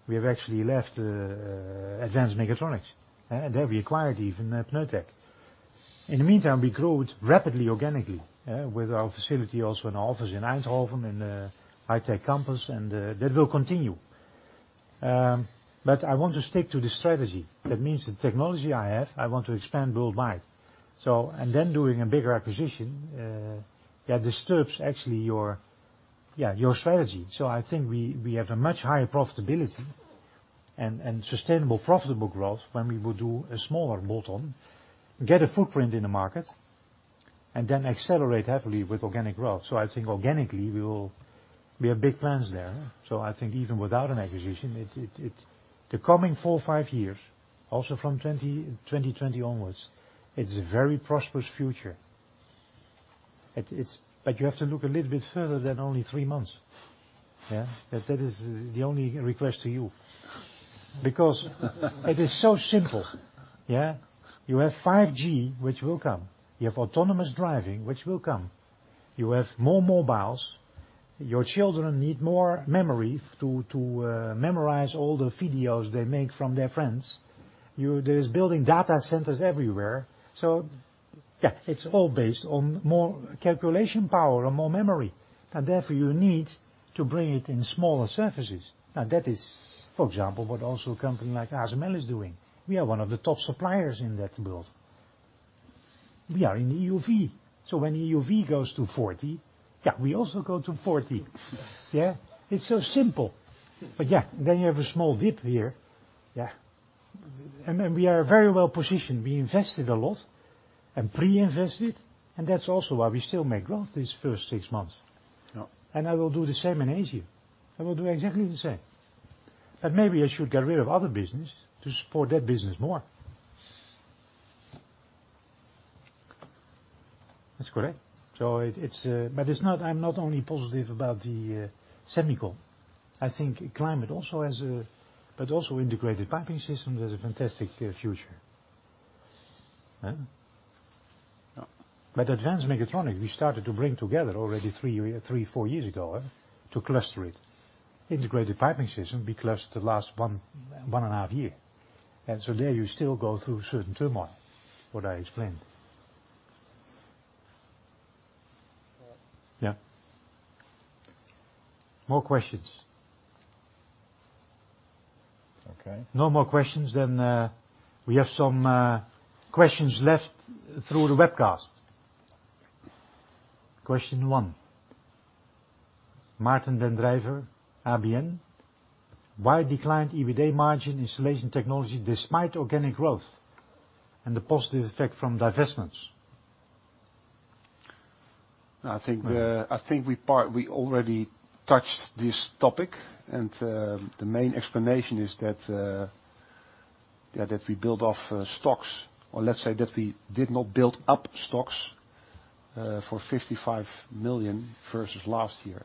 we have actually left advanced mechatronics. There we acquired even Pneutec. In the meantime, we grew rapidly organically with our facility also and our office in Eindhoven in the High Tech Campus, and that will continue. I want to stick to the strategy. That means the technology I have, I want to expand worldwide. Then doing a bigger acquisition, that disturbs actually your strategy. I think we have a much higher profitability and sustainable profitable growth when we will do a smaller bolt-on, get a footprint in the market, and then accelerate heavily with organic growth. I think organically, we have big plans there. I think even without an acquisition, the coming four or five years, also from 2020 onwards, it's a very prosperous future. You have to look a little bit further than only three months. Yeah. That is the only request to you. It is so simple. You have 5G, which will come. You have autonomous driving, which will come. You have more mobiles. Your children need more memory to memorize all the videos they make from their friends. There's building data centers everywhere. Yeah, it's all based on more calculation power and more memory, and therefore you need to bring it in smaller surfaces. That is, for example, what also a company like ASML is doing. We are one of the top suppliers in that build. We are in EUV. When EUV goes to 40, we also go to 40. It's so simple. You have a small dip here. We are very well positioned. We invested a lot and pre-invested, that's also why we still make growth these first six months. Yeah. I will do the same in Asia. I will do exactly the same. Maybe I should get rid of other business to support that business more. That's correct. I'm not only positive about the semicon. Also Integrated Piping Systems has a fantastic future. Yeah. advanced mechatronics, we started to bring together already three, four years ago to cluster it. integrated piping system we clustered the last one and a half year. There you still go through certain turmoil, what I explained. Yeah. Yeah. More questions? Okay. No more questions? We have some questions left through the webcast. Question one. Martijn Den Drijver ABN AMRO Bank Why declined EBITA margin Installation Technology despite organic growth and the positive effect from divestments? I think we already touched this topic. The main explanation is that we build off stocks, or let's say that we did not build up stocks for 55 million versus last year.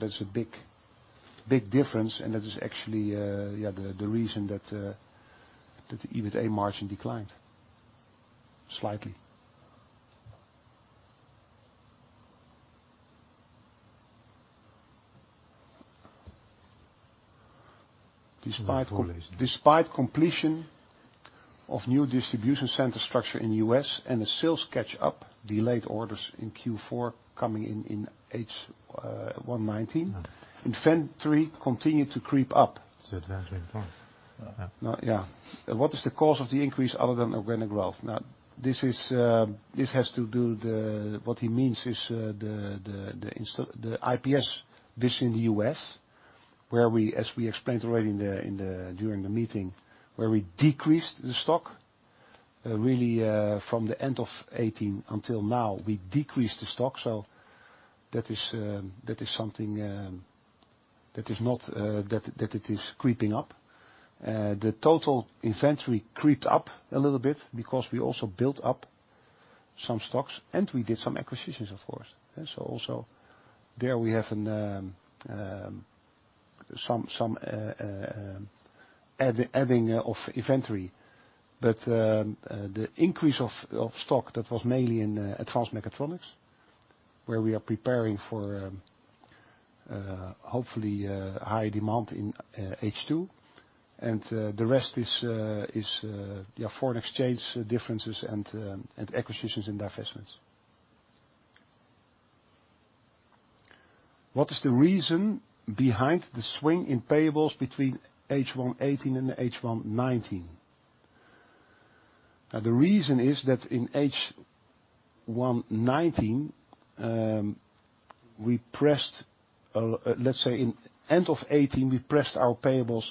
That's a big difference and that is actually the reason that the EBITA margin declined slightly. Despite completion of new distribution center structure in U.S. and a sales catch-up, delayed orders in Q4 coming in H1 2019, inventory continued to creep up. It's Advanced Mechatronics. Yeah. What is the cause of the increase other than organic growth? What he means is the IPS business in the U.S., as we explained already during the meeting, where we decreased the stock. Really from the end of 2018 until now, we decreased the stock. That is something that it is creeping up. The total inventory creeped up a little bit because we also built up some stocks and we did some acquisitions, of course. Also there we have some adding of inventory. The increase of stock, that was mainly in Advanced Mechatronics, where we are preparing for hopefully high demand in H2. The rest is foreign exchange differences and acquisitions and divestments. What is the reason behind the swing in payables between H1 2018 and H1 2019? The reason is that in H1 2019, let's say in end of 2018, we pressed our payables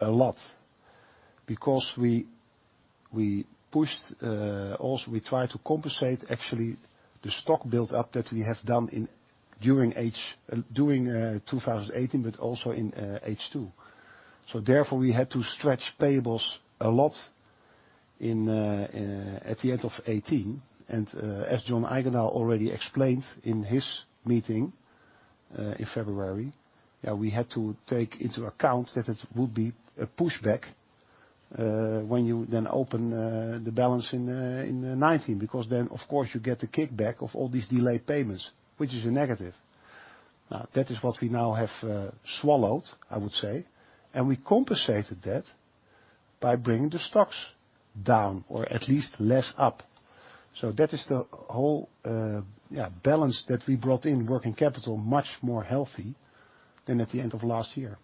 a lot because we pushed, also we tried to compensate actually the stock build-up that we have done during 2018, but also in H2. Therefore, we had to stretch payables a lot at the end of 2018. As John Eijgendaal already explained in his meeting in February, we had to take into account that it would be a pushback when you then open the balance in 2019, because then, of course, you get the kickback of all these delayed payments, which is a negative. That is what we now have swallowed, I would say. We compensated that by bringing the stocks down, or at least less up. That is the whole balance that we brought in working capital much more healthy than at the end of last year.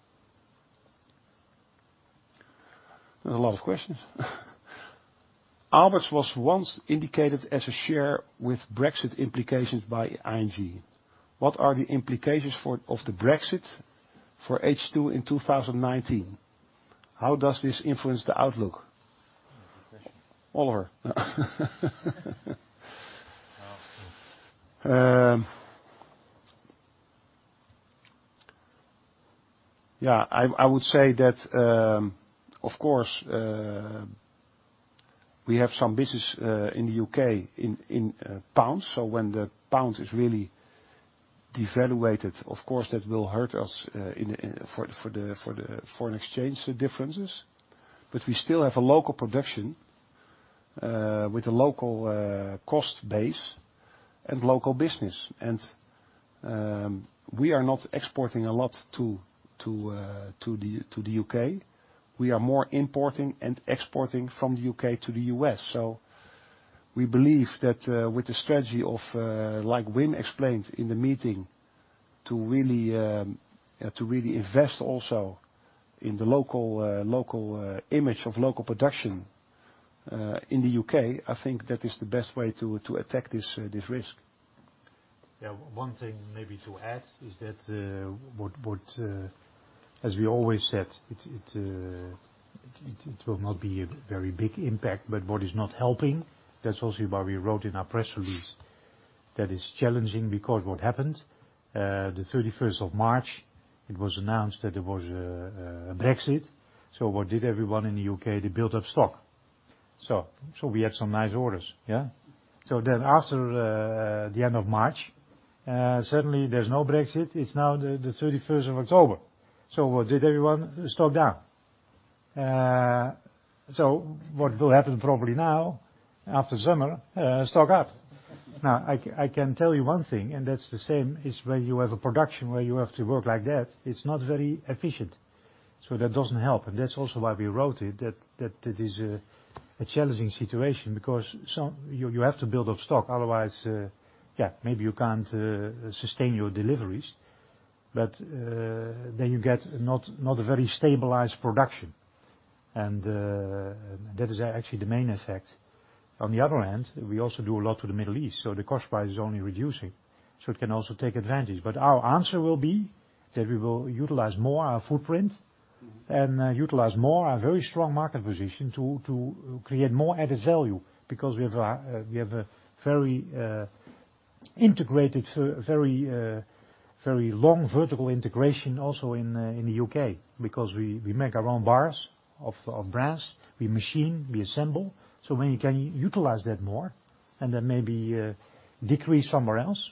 There's a lot of questions. Aalberts was once indicated as a share with Brexit implications by ING. What are the implications of the Brexit for H2 in 2019? How does this influence the outlook? Good question. I would say that, of course, we have some business in the U.K. in pounds. When the pound is really devalued, of course, that will hurt us for the foreign exchange differences. We still have a local production with a local cost base and local business. We are not exporting a lot to the U.K. We are more importing and exporting from the U.K. to the U.S. We believe that with the strategy of, like Wim explained in the meeting, to really invest also in the local image of local production in the U.K., I think that is the best way to attack this risk. One thing maybe to add is that, as we always said, it will not be a very big impact, but what is not helping, that's also why we wrote in our press release that it's challenging because what happened, the 31st of March, it was announced that there was a Brexit. What did everyone in the U.K.? They built up stock. We had some nice orders. After the end of March, suddenly there's no Brexit. It's now the 31st of October. What did everyone? Stock down. What will happen probably now after summer, stock up. Now, I can tell you one thing, and that's the same is when you have a production where you have to work like that, it's not very efficient. That doesn't help. That's also why we wrote it, that it is a challenging situation because you have to build up stock, otherwise maybe you can't sustain your deliveries. Then you get not a very stabilized production. That is actually the main effect. On the other hand, we also do a lot to the Middle East, the cost price is only reducing. It can also take advantage. Our answer will be that we will utilize more our footprint and utilize more our very strong market position to create more added value because we have a very integrated, very long vertical integration also in the U.K. because we make our own bars of brass. We machine, we assemble. When you can utilize that more and then maybe decrease somewhere else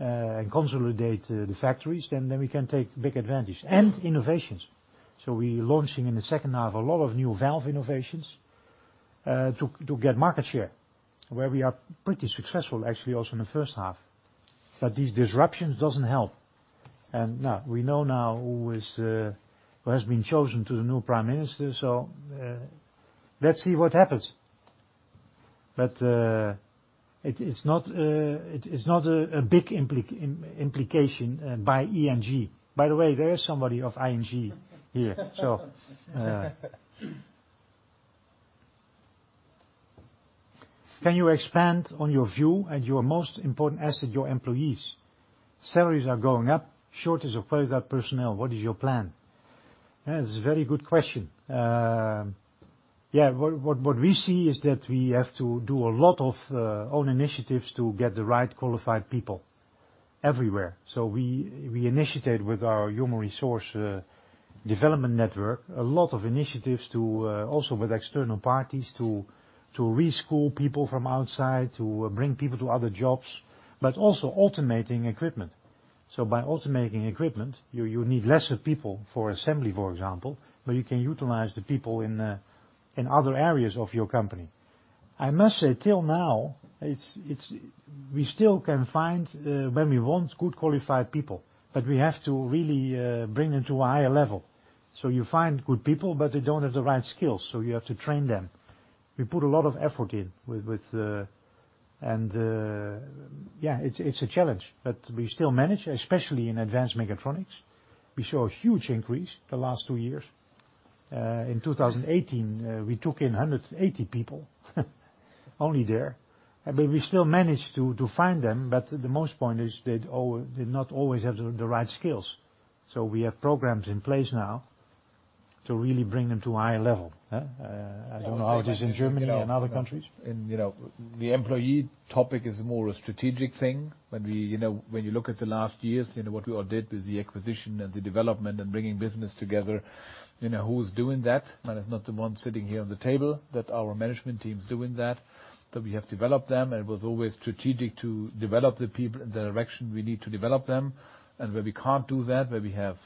and consolidate the factories, then we can take big advantage. Innovations. We're launching in the second half a lot of new valve innovations to get market share where we are pretty successful actually also in the first half. These disruptions doesn't help. We know now who has been chosen to the new prime minister, so let's see what happens. It's not a big implication by ING. By the way, there is somebody of ING here. "Can you expand on your view and your most important asset, your employees? Salaries are going up, shortage of qualified personnel. What is your plan?" That is a very good question. What we see is that we have to do a lot of own initiatives to get the right qualified people everywhere. We initiated with our Human Resource Development network, a lot of initiatives to, also with external parties, to reschool people from outside, to bring people to other jobs, but also automating equipment. By automating equipment, you need lesser people for assembly, for example, but you can utilize the people in other areas of your company. I must say till now, we still can find when we want good qualified people, but we have to really bring them to a higher level. You find good people, but they don't have the right skills, so you have to train them. It's a challenge, but we still manage, especially in Advanced Mechatronics. We saw a huge increase the last two years. In 2018, we took in 180 people only there. We still managed to find them, but the most point is they not always have the right skills. We have programs in place now to really bring them to a higher level. I don't know how it is in Germany and other countries. The employee topic is more a strategic thing. When you look at the last years, what we all did with the acquisition and the development and bringing business together, who's doing that? It's not the one sitting here on the table, that our management team's doing that we have developed them, and it was always strategic to develop the people in the direction we need to develop them. Where we can't do that, where we have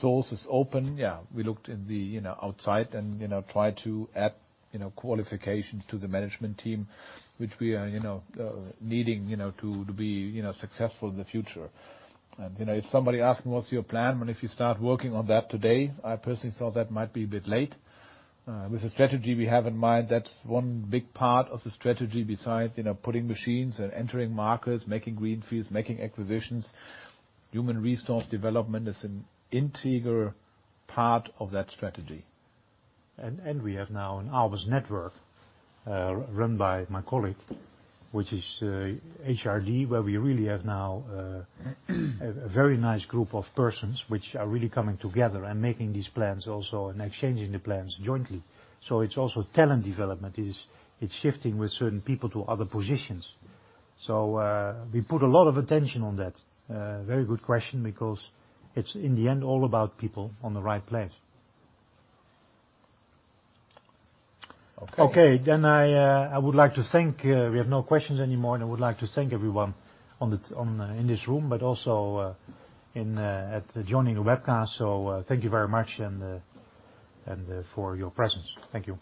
sources open, we looked in the outside and try to add qualifications to the management team, which we are needing to be successful in the future. If somebody asking what's your plan, when if you start working on that today, I personally thought that might be a bit late. With the strategy we have in mind, that's one big part of the strategy besides putting machines and entering markets, making greenfields, making acquisitions. Human resource development is an integral part of that strategy. We have now an Aalberts network, run by my colleague, which is HRD, where we really have now a very nice group of persons which are really coming together and making these plans also and exchanging the plans jointly. It's also talent development. It's shifting with certain people to other positions. We put a lot of attention on that. Very good question because it's in the end all about people on the right place. Okay. Okay. I would like to thank, we have no questions anymore, I would like to thank everyone in this room, but also joining the webcast. Thank you very much and for your presence. Thank you.